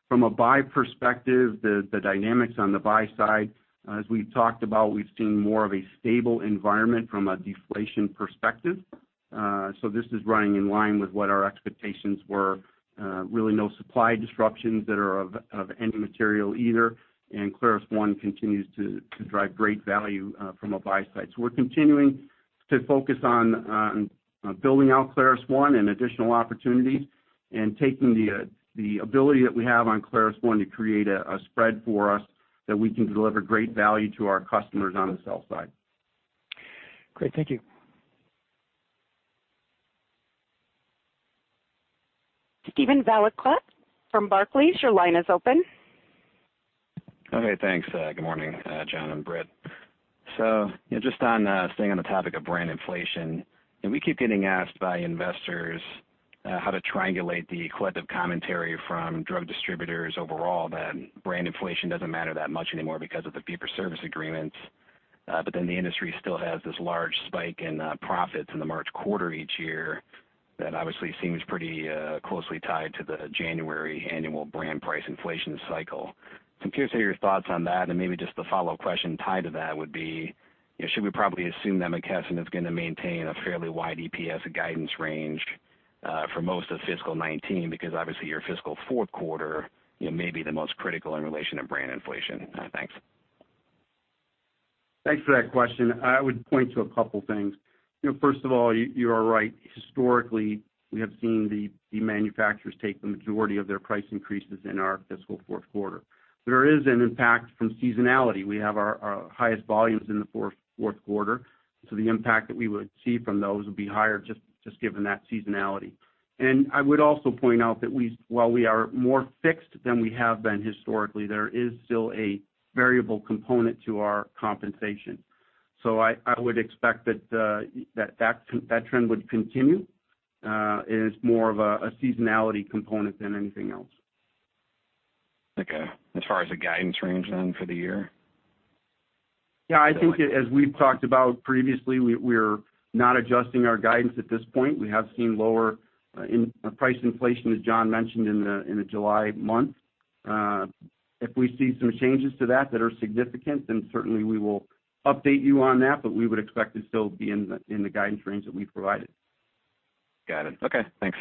[SPEAKER 4] From a buy perspective, the dynamics on the buy side, as we've talked about, we've seen more of a stable environment from a deflation perspective. This is running in line with what our expectations were. Really no supply disruptions that are of any material either, and ClarusONE continues to drive great value from a buy side.
[SPEAKER 3] We're continuing to focus on building out ClarusONE and additional opportunities and taking the ability that we have on ClarusONE to create a spread for us that we can deliver great value to our customers on the sell side.
[SPEAKER 8] Great. Thank you.
[SPEAKER 1] Steven Valiquette from Barclays, your line is open.
[SPEAKER 9] Okay, thanks. Good morning, John and Britt. Just on staying on the topic of brand inflation, we keep getting asked by investors how to triangulate the collective commentary from drug distributors overall that brand inflation doesn't matter that much anymore because of the fee-for-service agreements. The industry still has this large spike in profits in the March quarter each year that obviously seems pretty closely tied to the January annual brand price inflation cycle. I'm curious of your thoughts on that, and maybe just the follow-up question tied to that would be, should we probably assume that McKesson is going to maintain a fairly wide EPS guidance range for most of fiscal 2019? Because obviously, your fiscal fourth quarter may be the most critical in relation to brand inflation. Thanks.
[SPEAKER 4] Thanks for that question. I would point to a couple things. First of all, you are right. Historically, we have seen the manufacturers take the majority of their price increases in our fiscal fourth quarter. There is an impact from seasonality. We have our highest volumes in the fourth quarter, the impact that we would see from those would be higher just given that seasonality. I would also point out that while we are more fixed than we have been historically, there is still a variable component to our compensation. I would expect that trend would continue, and it's more of a seasonality component than anything else.
[SPEAKER 9] Okay. As far as the guidance range, then, for the year?
[SPEAKER 4] I think as we've talked about previously, we're not adjusting our guidance at this point. We have seen lower price inflation, as John mentioned, in the July month. If we see some changes to that that are significant, certainly we will update you on that, but we would expect to still be in the guidance range that we've provided.
[SPEAKER 9] Got it. Okay, thanks.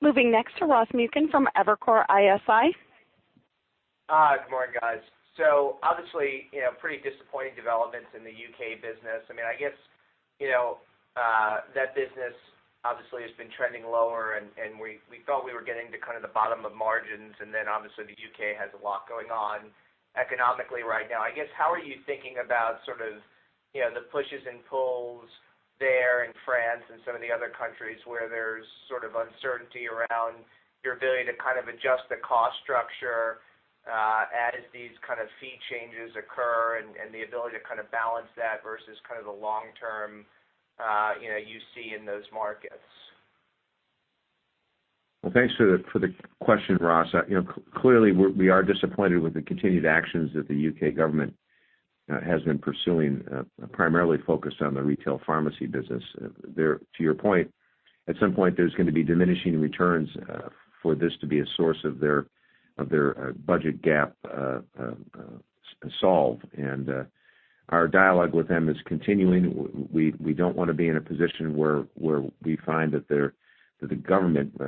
[SPEAKER 1] Moving next to Ross Muken from Evercore ISI.
[SPEAKER 10] Good morning, guys. Obviously, pretty disappointing developments in the U.K. business. I guess, that business obviously has been trending lower, and we thought we were getting to the bottom of margins. Obviously, the U.K. has a lot going on economically right now. I guess, how are you thinking about the pushes and pulls there in France and some of the other countries where there's uncertainty around your ability to adjust the cost structure, as these kind of fee changes occur and the ability to balance that versus the long term, you see in those markets?
[SPEAKER 3] Well, thanks for the question, Ross. Clearly, we are disappointed with the continued actions that the U.K. government has been pursuing, primarily focused on the retail pharmacy business. To your point, at some point, there's going to be diminishing returns for this to be a source of their budget gap solved. Our dialogue with them is continuing. We don't want to be in a position where we find that the government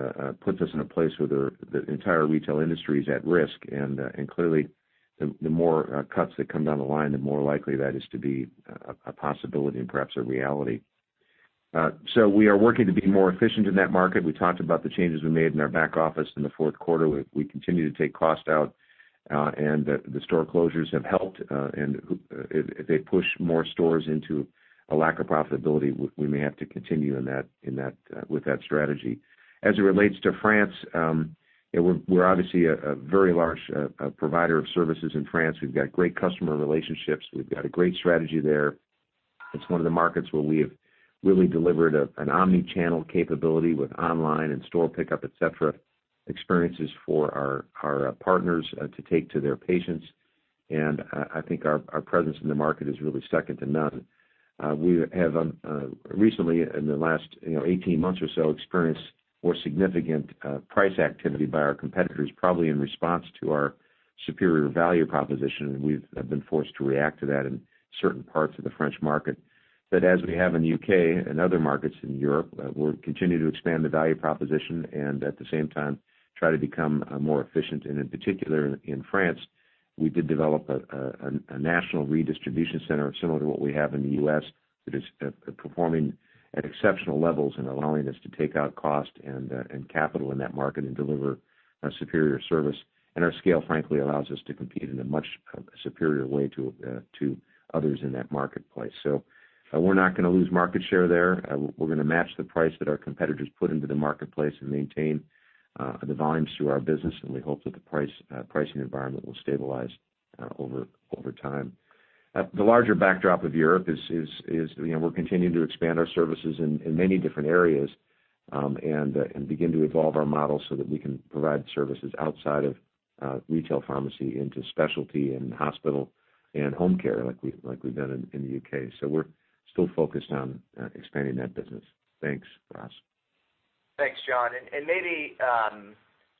[SPEAKER 3] puts us in a place where the entire retail industry is at risk. Clearly, the more cuts that come down the line, the more likely that is to be a possibility and perhaps a reality. We are working to be more efficient in that market. We talked about the changes we made in our back office in the fourth quarter. The store closures have helped. If they push more stores into a lack of profitability, we may have to continue with that strategy. As it relates to France, we're obviously a very large provider of services in France. We've got great customer relationships. We've got a great strategy there. It's one of the markets where we have really delivered an omni-channel capability with online and store pickup, et cetera, experiences for our partners to take to their patients. I think our presence in the market is really second to none. We have recently, in the last 18 months or so, experienced more significant price activity by our competitors, probably in response to our superior value proposition. We've been forced to react to that in certain parts of the French market. As we have in the U.K. and other markets in Europe, we'll continue to expand the value proposition and at the same time try to become more efficient. In particular, in France, we did develop a national redistribution center similar to what we have in the U.S. that is performing at exceptional levels and allowing us to take out cost and capital in that market and deliver a superior service. Our scale, frankly, allows us to compete in a much superior way to others in that marketplace. We're not going to lose market share there. We're going to match the price that our competitors put into the marketplace and maintain the volumes through our business, and we hope that the pricing environment will stabilize over time. The larger backdrop of Europe is we're continuing to expand our services in many different areas and begin to evolve our model so that we can provide services outside of retail pharmacy into specialty and hospital and home care like we've done in the U.K. We're still focused on expanding that business. Thanks, Ross.
[SPEAKER 10] Thanks, John. Maybe,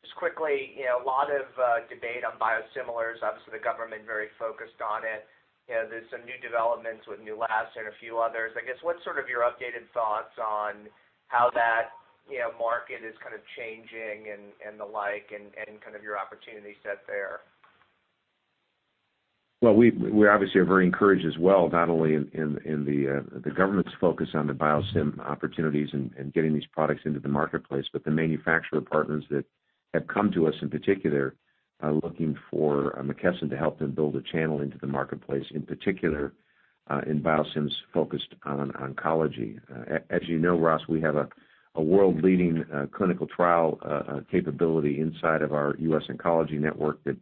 [SPEAKER 10] just quickly, a lot of debate on biosimilars. Obviously, the government very focused on it. There's some new developments with MYLOTARG and a few others. I guess, what's sort of your updated thoughts on how that market is changing and the like, and your opportunity set there?
[SPEAKER 3] Well, we obviously are very encouraged as well, not only in the government's focus on the biosim opportunities and getting these products into the marketplace, but the manufacturer partners that have come to us in particular are looking for McKesson to help them build a channel into the marketplace, in particular in biosims focused on oncology. As you know, Ross, we have a world-leading clinical trial capability inside of our US Oncology Network that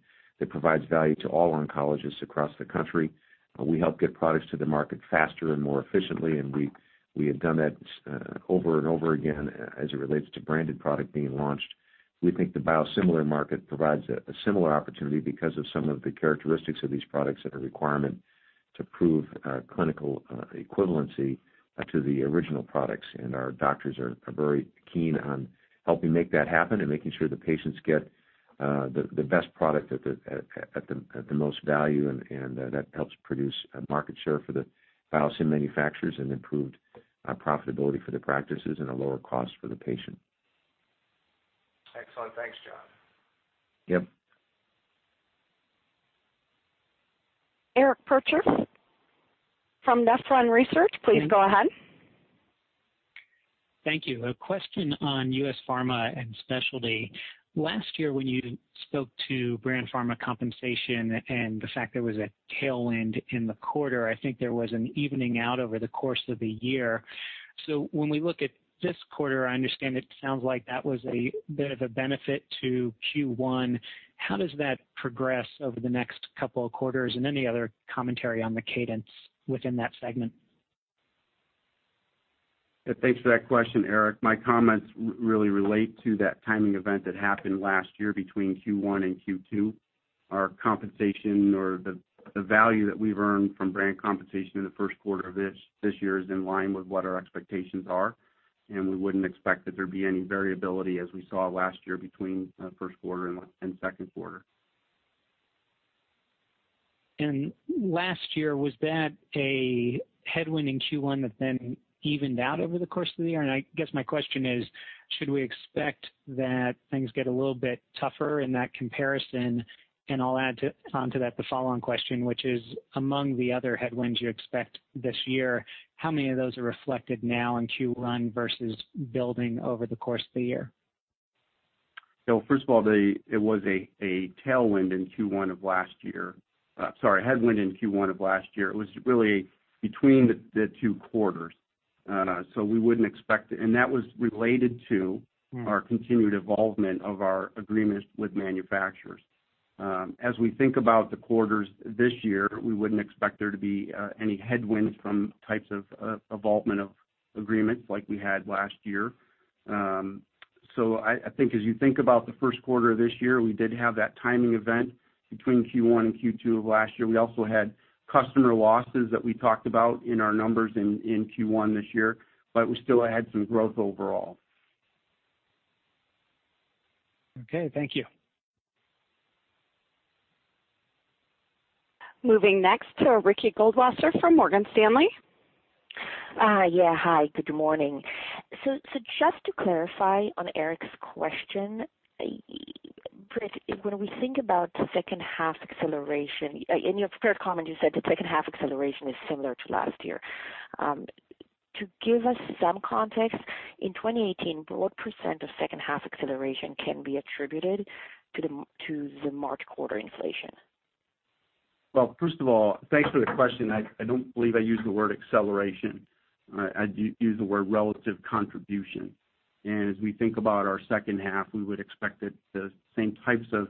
[SPEAKER 3] provides value to all oncologists across the country. We help get products to the market faster and more efficiently, and we have done that over and over again as it relates to branded product being launched. We think the biosimilar market provides a similar opportunity because of some of the characteristics of these products that are a requirement to prove clinical equivalency to the original products, and our doctors are very keen on helping make that happen and making sure the patients get the best product at the most value, and that helps produce market share for the biosim manufacturers and improved profitability for the practices and a lower cost for the patient.
[SPEAKER 10] Excellent. Thanks, John.
[SPEAKER 3] Yep.
[SPEAKER 1] Eric Percher from Nephron Research, please go ahead.
[SPEAKER 11] Thank you. A question on U.S. Pharma and Specialty. Last year, when you spoke to brand pharma compensation and the fact there was a tailwind in the quarter, I think there was an evening out over the course of the year. When we look at this quarter, I understand it sounds like that was a bit of a benefit to Q1. How does that progress over the next couple of quarters and any other commentary on the cadence within that segment?
[SPEAKER 4] Thanks for that question, Eric. My comments really relate to that timing event that happened last year between Q1 and Q2. Our compensation or the value that we've earned from brand compensation in the first quarter of this year is in line with what our expectations are, and we wouldn't expect that there'd be any variability as we saw last year between first quarter and second quarter.
[SPEAKER 11] Last year, was that a headwind in Q1 that then evened out over the course of the year? I guess my question is, should we expect that things get a little bit tougher in that comparison? I'll add onto that the follow-on question, which is, among the other headwinds you expect this year, how many of those are reflected now in Q1 versus building over the course of the year?
[SPEAKER 4] First of all, it was a tailwind in Q1 of last year. Sorry, a headwind in Q1 of last year. It was really between the two quarters. We wouldn't expect it. That was related to our continued evolvement of our agreements with manufacturers. As we think about the quarters this year, we wouldn't expect there to be any headwinds from types of evolvement of agreements like we had last year. I think as you think about the first quarter of this year, we did have that timing event between Q1 and Q2 of last year. We also had customer losses that we talked about in our numbers in Q1 this year, we still had some growth overall.
[SPEAKER 11] Okay, thank you.
[SPEAKER 1] Moving next to Ricky Goldwasser from Morgan Stanley.
[SPEAKER 12] Yeah, hi. Good morning. Just to clarify on Eric's question, Britt, when we think about second half acceleration, in your prepared comment, you said the second half acceleration is similar to last year. To give us some context, in 2018, what % of second half acceleration can be attributed to the March quarter inflation?
[SPEAKER 4] Well, first of all, thanks for the question. I don't believe I used the word acceleration. I used the word relative contribution. As we think about our second half, we would expect that the same types of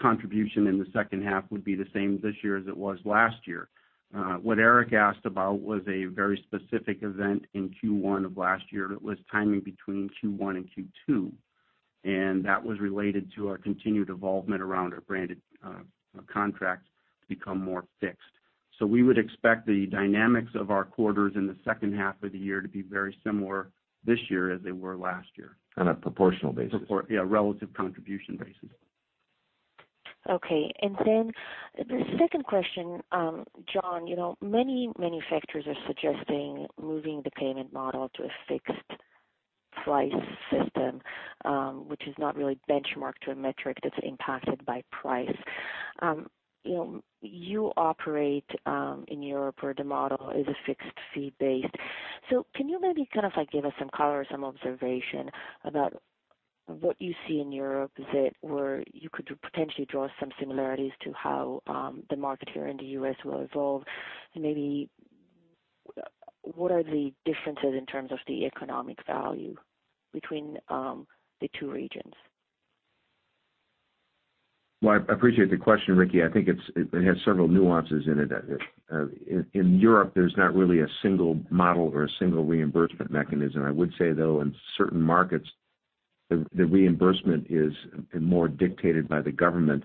[SPEAKER 4] contribution in the second half would be the same this year as it was last year. What Eric asked about was a very specific event in Q1 of last year. It was timing between Q1 and Q2, and that was related to our continued evolvement around our branded contracts to become more fixed. We would expect the dynamics of our quarters in the second half of the year to be very similar this year as they were last year.
[SPEAKER 3] On a proportional basis.
[SPEAKER 4] Yeah, relative contribution basis.
[SPEAKER 12] Okay. The second question, John, many manufacturers are suggesting moving the payment model to a fixed price system, which is not really benchmarked to a metric that's impacted by price. You operate in Europe where the model is a fixed fee-based. Can you maybe give us some color or some observation about what you see in Europe? Is it where you could potentially draw some similarities to how the market here in the U.S. will evolve? Maybe what are the differences in terms of the economic value between the two regions?
[SPEAKER 3] Well, I appreciate the question, Ricky. I think it has several nuances in it. In Europe, there's not really a single model or a single reimbursement mechanism. I would say, though, in certain markets, the reimbursement is more dictated by the government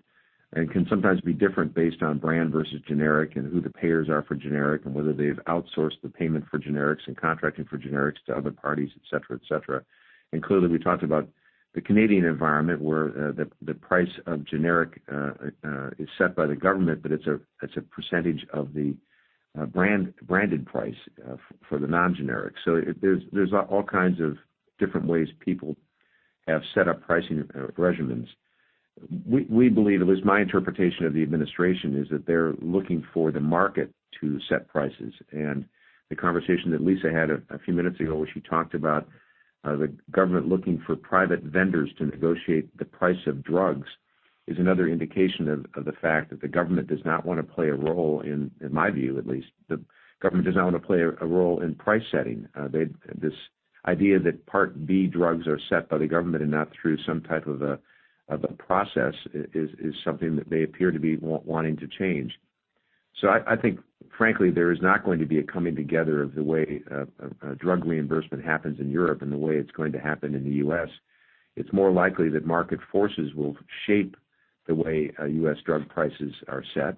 [SPEAKER 3] and can sometimes be different based on brand versus generic and who the payers are for generic and whether they've outsourced the payment for generics and contracting for generics to other parties, et cetera. Clearly, we talked about the Canadian environment, where the price of generic is set by the government, but it's a percentage of the branded price for the non-generic. There's all kinds of different ways people have set up pricing regimens. We believe, or at least my interpretation of the administration, is that they're looking for the market to set prices. The conversation that Lisa had a few minutes ago, where she talked about the government looking for private vendors to negotiate the price of drugs, is another indication of the fact that the government does not want to play a role, in my view at least, the government does not want to play a role in price setting. This idea that Part B drugs are set by the government and not through some type of a process is something that they appear to be wanting to change. I think, frankly, there is not going to be a coming together of the way drug reimbursement happens in Europe and the way it's going to happen in the U.S. It's more likely that market forces will shape the way U.S. drug prices are set.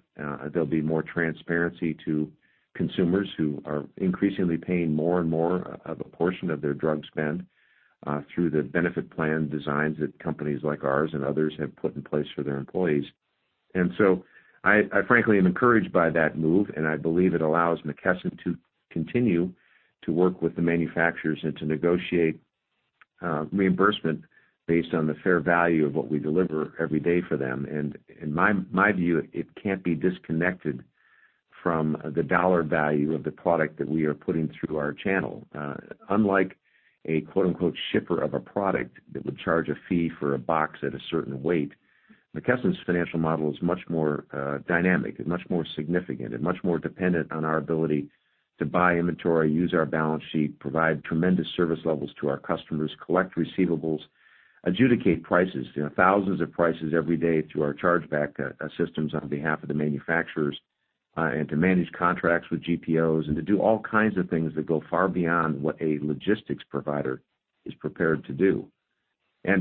[SPEAKER 3] There'll be more transparency to consumers who are increasingly paying more and more of a portion of their drug spend through the benefit plan designs that companies like ours and others have put in place for their employees. I frankly, am encouraged by that move, and I believe it allows McKesson to continue to work with the manufacturers and to negotiate reimbursement based on the fair value of what we deliver every day for them. In my view, it can't be disconnected from the dollar value of the product that we are putting through our channel. Unlike a quote-unquote shipper of a product that would charge a fee for a box at a certain weight, McKesson's financial model is much more dynamic. It's much more significant and much more dependent on our ability to buy inventory, use our balance sheet, provide tremendous service levels to our customers, collect receivables, adjudicate prices, thousands of prices every day through our charge back systems on behalf of the manufacturers, to manage contracts with GPOs and to do all kinds of things that go far beyond what a logistics provider is prepared to do.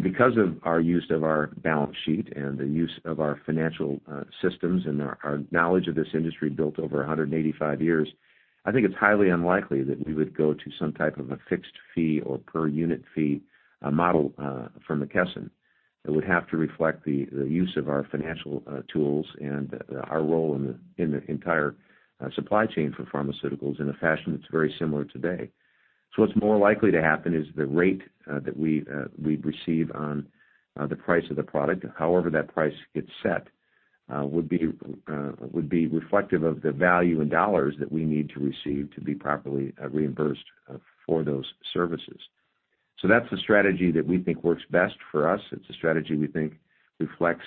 [SPEAKER 3] Because of our use of our balance sheet and the use of our financial systems and our knowledge of this industry built over 185 years, I think it's highly unlikely that we would go to some type of a fixed fee or per unit fee model for McKesson. It would have to reflect the use of our financial tools and our role in the entire supply chain for pharmaceuticals in a fashion that's very similar today. What's more likely to happen is the rate that we'd receive on the price of the product, however that price gets set, would be reflective of the value in dollars that we need to receive to be properly reimbursed for those services. That's the strategy that we think works best for us. It's a strategy we think reflects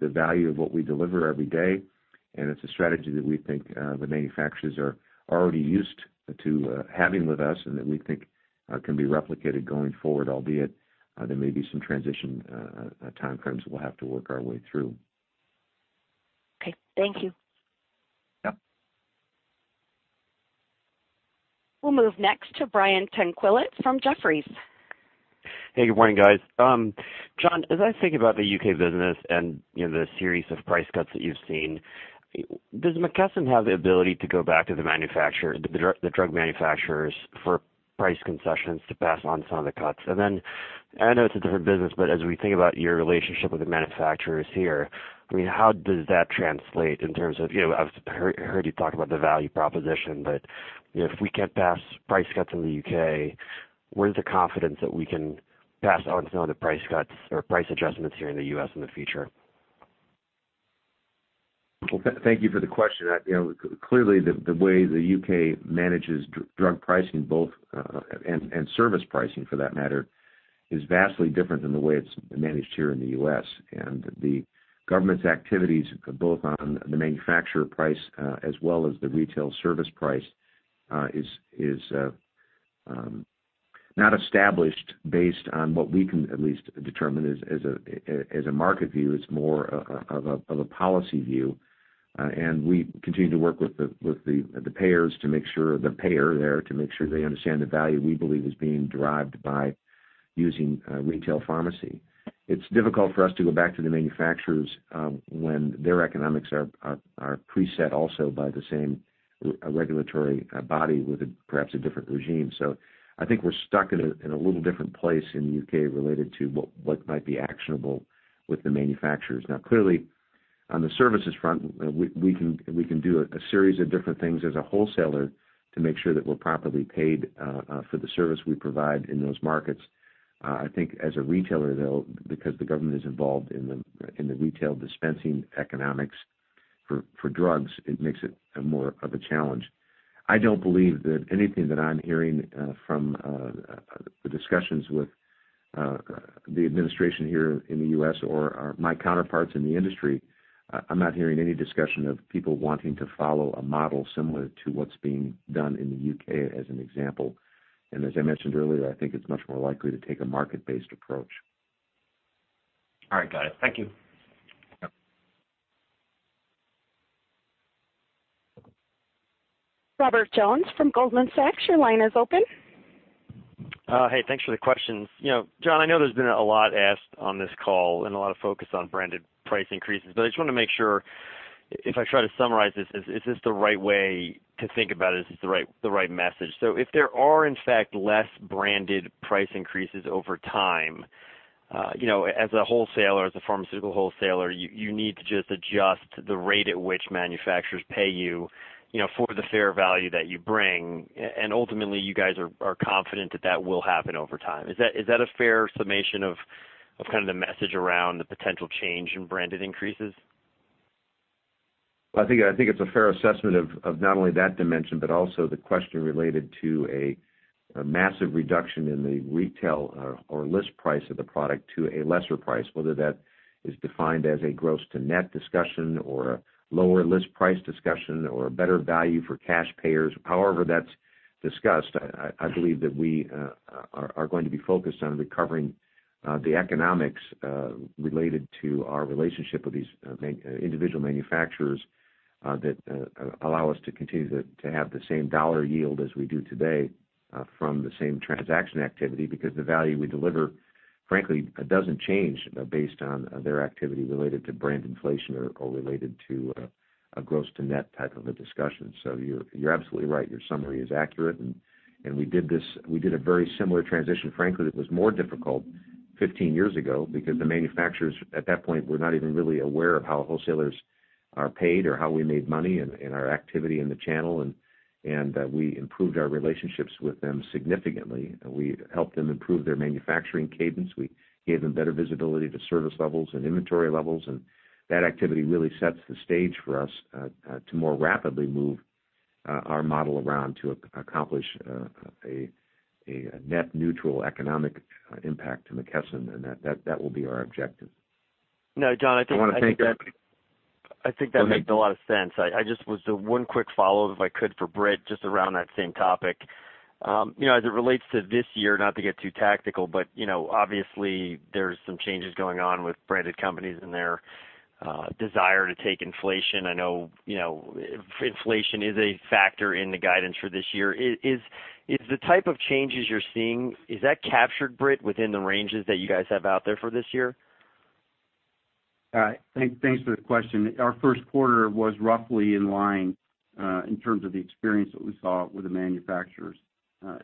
[SPEAKER 3] the value of what we deliver every day, it's a strategy that we think the manufacturers are already used to having with us and that we think can be replicated going forward, albeit there may be some transition timeframes that we'll have to work our way through.
[SPEAKER 2] Okay, thank you.
[SPEAKER 3] Yeah.
[SPEAKER 1] We'll move next to Brian Tanquilut from Jefferies.
[SPEAKER 13] Hey, good morning, guys. John, as I think about the U.K. business and the series of price cuts that you've seen, does McKesson have the ability to go back to the drug manufacturers for price concessions to pass on some of the cuts? Then, I know it's a different business, but as we think about your relationship with the manufacturers here, how does that translate in terms of, I've heard you talk about the value proposition, but if we can't pass price cuts in the U.K., where's the confidence that we can pass on some of the price cuts or price adjustments here in the U.S. in the future?
[SPEAKER 3] Thank you for the question. Clearly, the way the U.K. manages drug pricing, and service pricing for that matter, is vastly different than the way it's managed here in the U.S. The government's activities, both on the manufacturer price as well as the retail service price, is not established based on what we can at least determine as a market view. It's more of a policy view. We continue to work with the payer there to make sure they understand the value we believe is being derived by using retail pharmacy. It's difficult for us to go back to the manufacturers, when their economics are preset also by the same regulatory body with perhaps a different regime. I think we're stuck in a little different place in the U.K. related to what might be actionable with the manufacturers. Clearly, on the services front, we can do a series of different things as a wholesaler to make sure that we're properly paid for the service we provide in those markets. I think as a retailer, though, because the government is involved in the retail dispensing economics for drugs, it makes it more of a challenge. I don't believe that anything that I'm hearing from the discussions with the administration here in the U.S. or my counterparts in the industry, I'm not hearing any discussion of people wanting to follow a model similar to what's being done in the U.K. as an example. As I mentioned earlier, I think it's much more likely to take a market-based approach.
[SPEAKER 13] All right. Got it. Thank you.
[SPEAKER 3] Yeah.
[SPEAKER 1] Robert Jones from Goldman Sachs, your line is open.
[SPEAKER 14] Hey, thanks for the questions. John, I know there's been a lot asked on this call and a lot of focus on branded price increases. I just want to make sure if I try to summarize this, is this the right way to think about it? Is this the right message? If there are, in fact, less branded price increases over time, as a pharmaceutical wholesaler, you need to just adjust the rate at which manufacturers pay you for the fair value that you bring, and ultimately, you guys are confident that that will happen over time. Is that a fair summation of the message around the potential change in branded increases?
[SPEAKER 3] I think it's a fair assessment of not only that dimension, also the question related to a massive reduction in the retail or list price of the product to a lesser price, whether that is defined as a gross to net discussion or a lower list price discussion or a better value for cash payers. That's discussed, I believe that we are going to be focused on recovering the economics related to our relationship with these individual manufacturers that allow us to continue to have the same dollar yield as we do today from the same transaction activity, because the value we deliver, frankly, doesn't change based on their activity related to brand inflation or related to a gross to net type of a discussion. You're absolutely right. Your summary is accurate, we did a very similar transition, frankly, that was more difficult 15 years ago because the manufacturers at that point were not even really aware of how wholesalers are paid or how we made money and our activity in the channel. We improved our relationships with them significantly. We helped them improve their manufacturing cadence. We gave them better visibility to service levels and inventory levels, that activity really sets the stage for us to more rapidly move our model around to accomplish a net neutral economic impact to McKesson, and that will be our objective.
[SPEAKER 14] No, John, I think
[SPEAKER 3] I want to thank everybody.
[SPEAKER 14] I think that made a lot of sense. Just one quick follow-up, if I could, for Britt, just around that same topic. As it relates to this year, not to get too tactical, obviously, there's some changes going on with branded companies and their desire to take inflation. I know inflation is a factor in the guidance for this year. Is the type of changes you're seeing, is that captured, Britt, within the ranges that you guys have out there for this year?
[SPEAKER 4] Thanks for the question. Our first quarter was roughly in line, in terms of the experience that we saw with the manufacturers.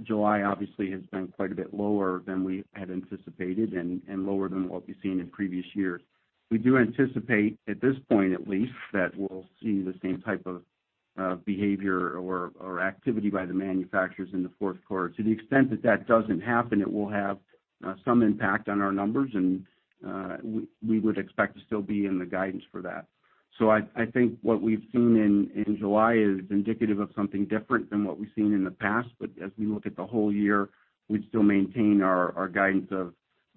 [SPEAKER 4] July obviously has been quite a bit lower than we had anticipated and lower than what we've seen in previous years. We do anticipate, at this point at least, that we'll see the same type of behavior or activity by the manufacturers in the fourth quarter. To the extent that that doesn't happen, it will have some impact on our numbers, and we would expect to still be in the guidance for that. I think what we've seen in July is indicative of something different than what we've seen in the past. As we look at the whole year, we'd still maintain our guidance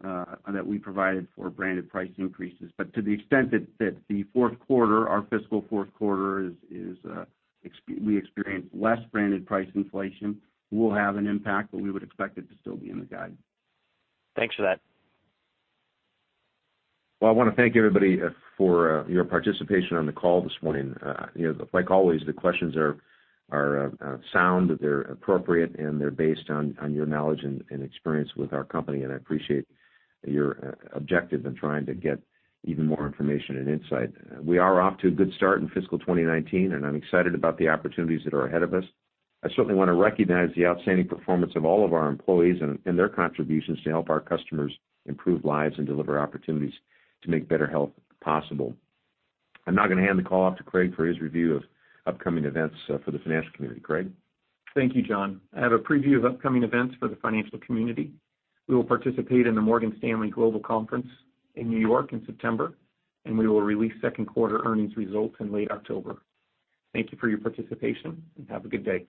[SPEAKER 4] that we provided for branded price increases. To the extent that the fourth quarter, our fiscal fourth quarter, we experience less branded price inflation, will have an impact, but we would expect it to still be in the guidance.
[SPEAKER 14] Thanks for that.
[SPEAKER 3] I want to thank everybody for your participation on the call this morning. Like always, the questions are sound, they're appropriate, and they're based on your knowledge and experience with our company, and I appreciate your objective in trying to get even more information and insight. We are off to a good start in fiscal 2019, and I'm excited about the opportunities that are ahead of us. I certainly want to recognize the outstanding performance of all of our employees and their contributions to help our customers improve lives and deliver opportunities to make better health possible. I'm now going to hand the call off to Craig for his review of upcoming events for the financial community. Craig?
[SPEAKER 2] Thank you, John. I have a preview of upcoming events for the financial community. We will participate in the Morgan Stanley Global Healthcare Conference in New York in September, and we will release second quarter earnings results in late October. Thank you for your participation, and have a good day.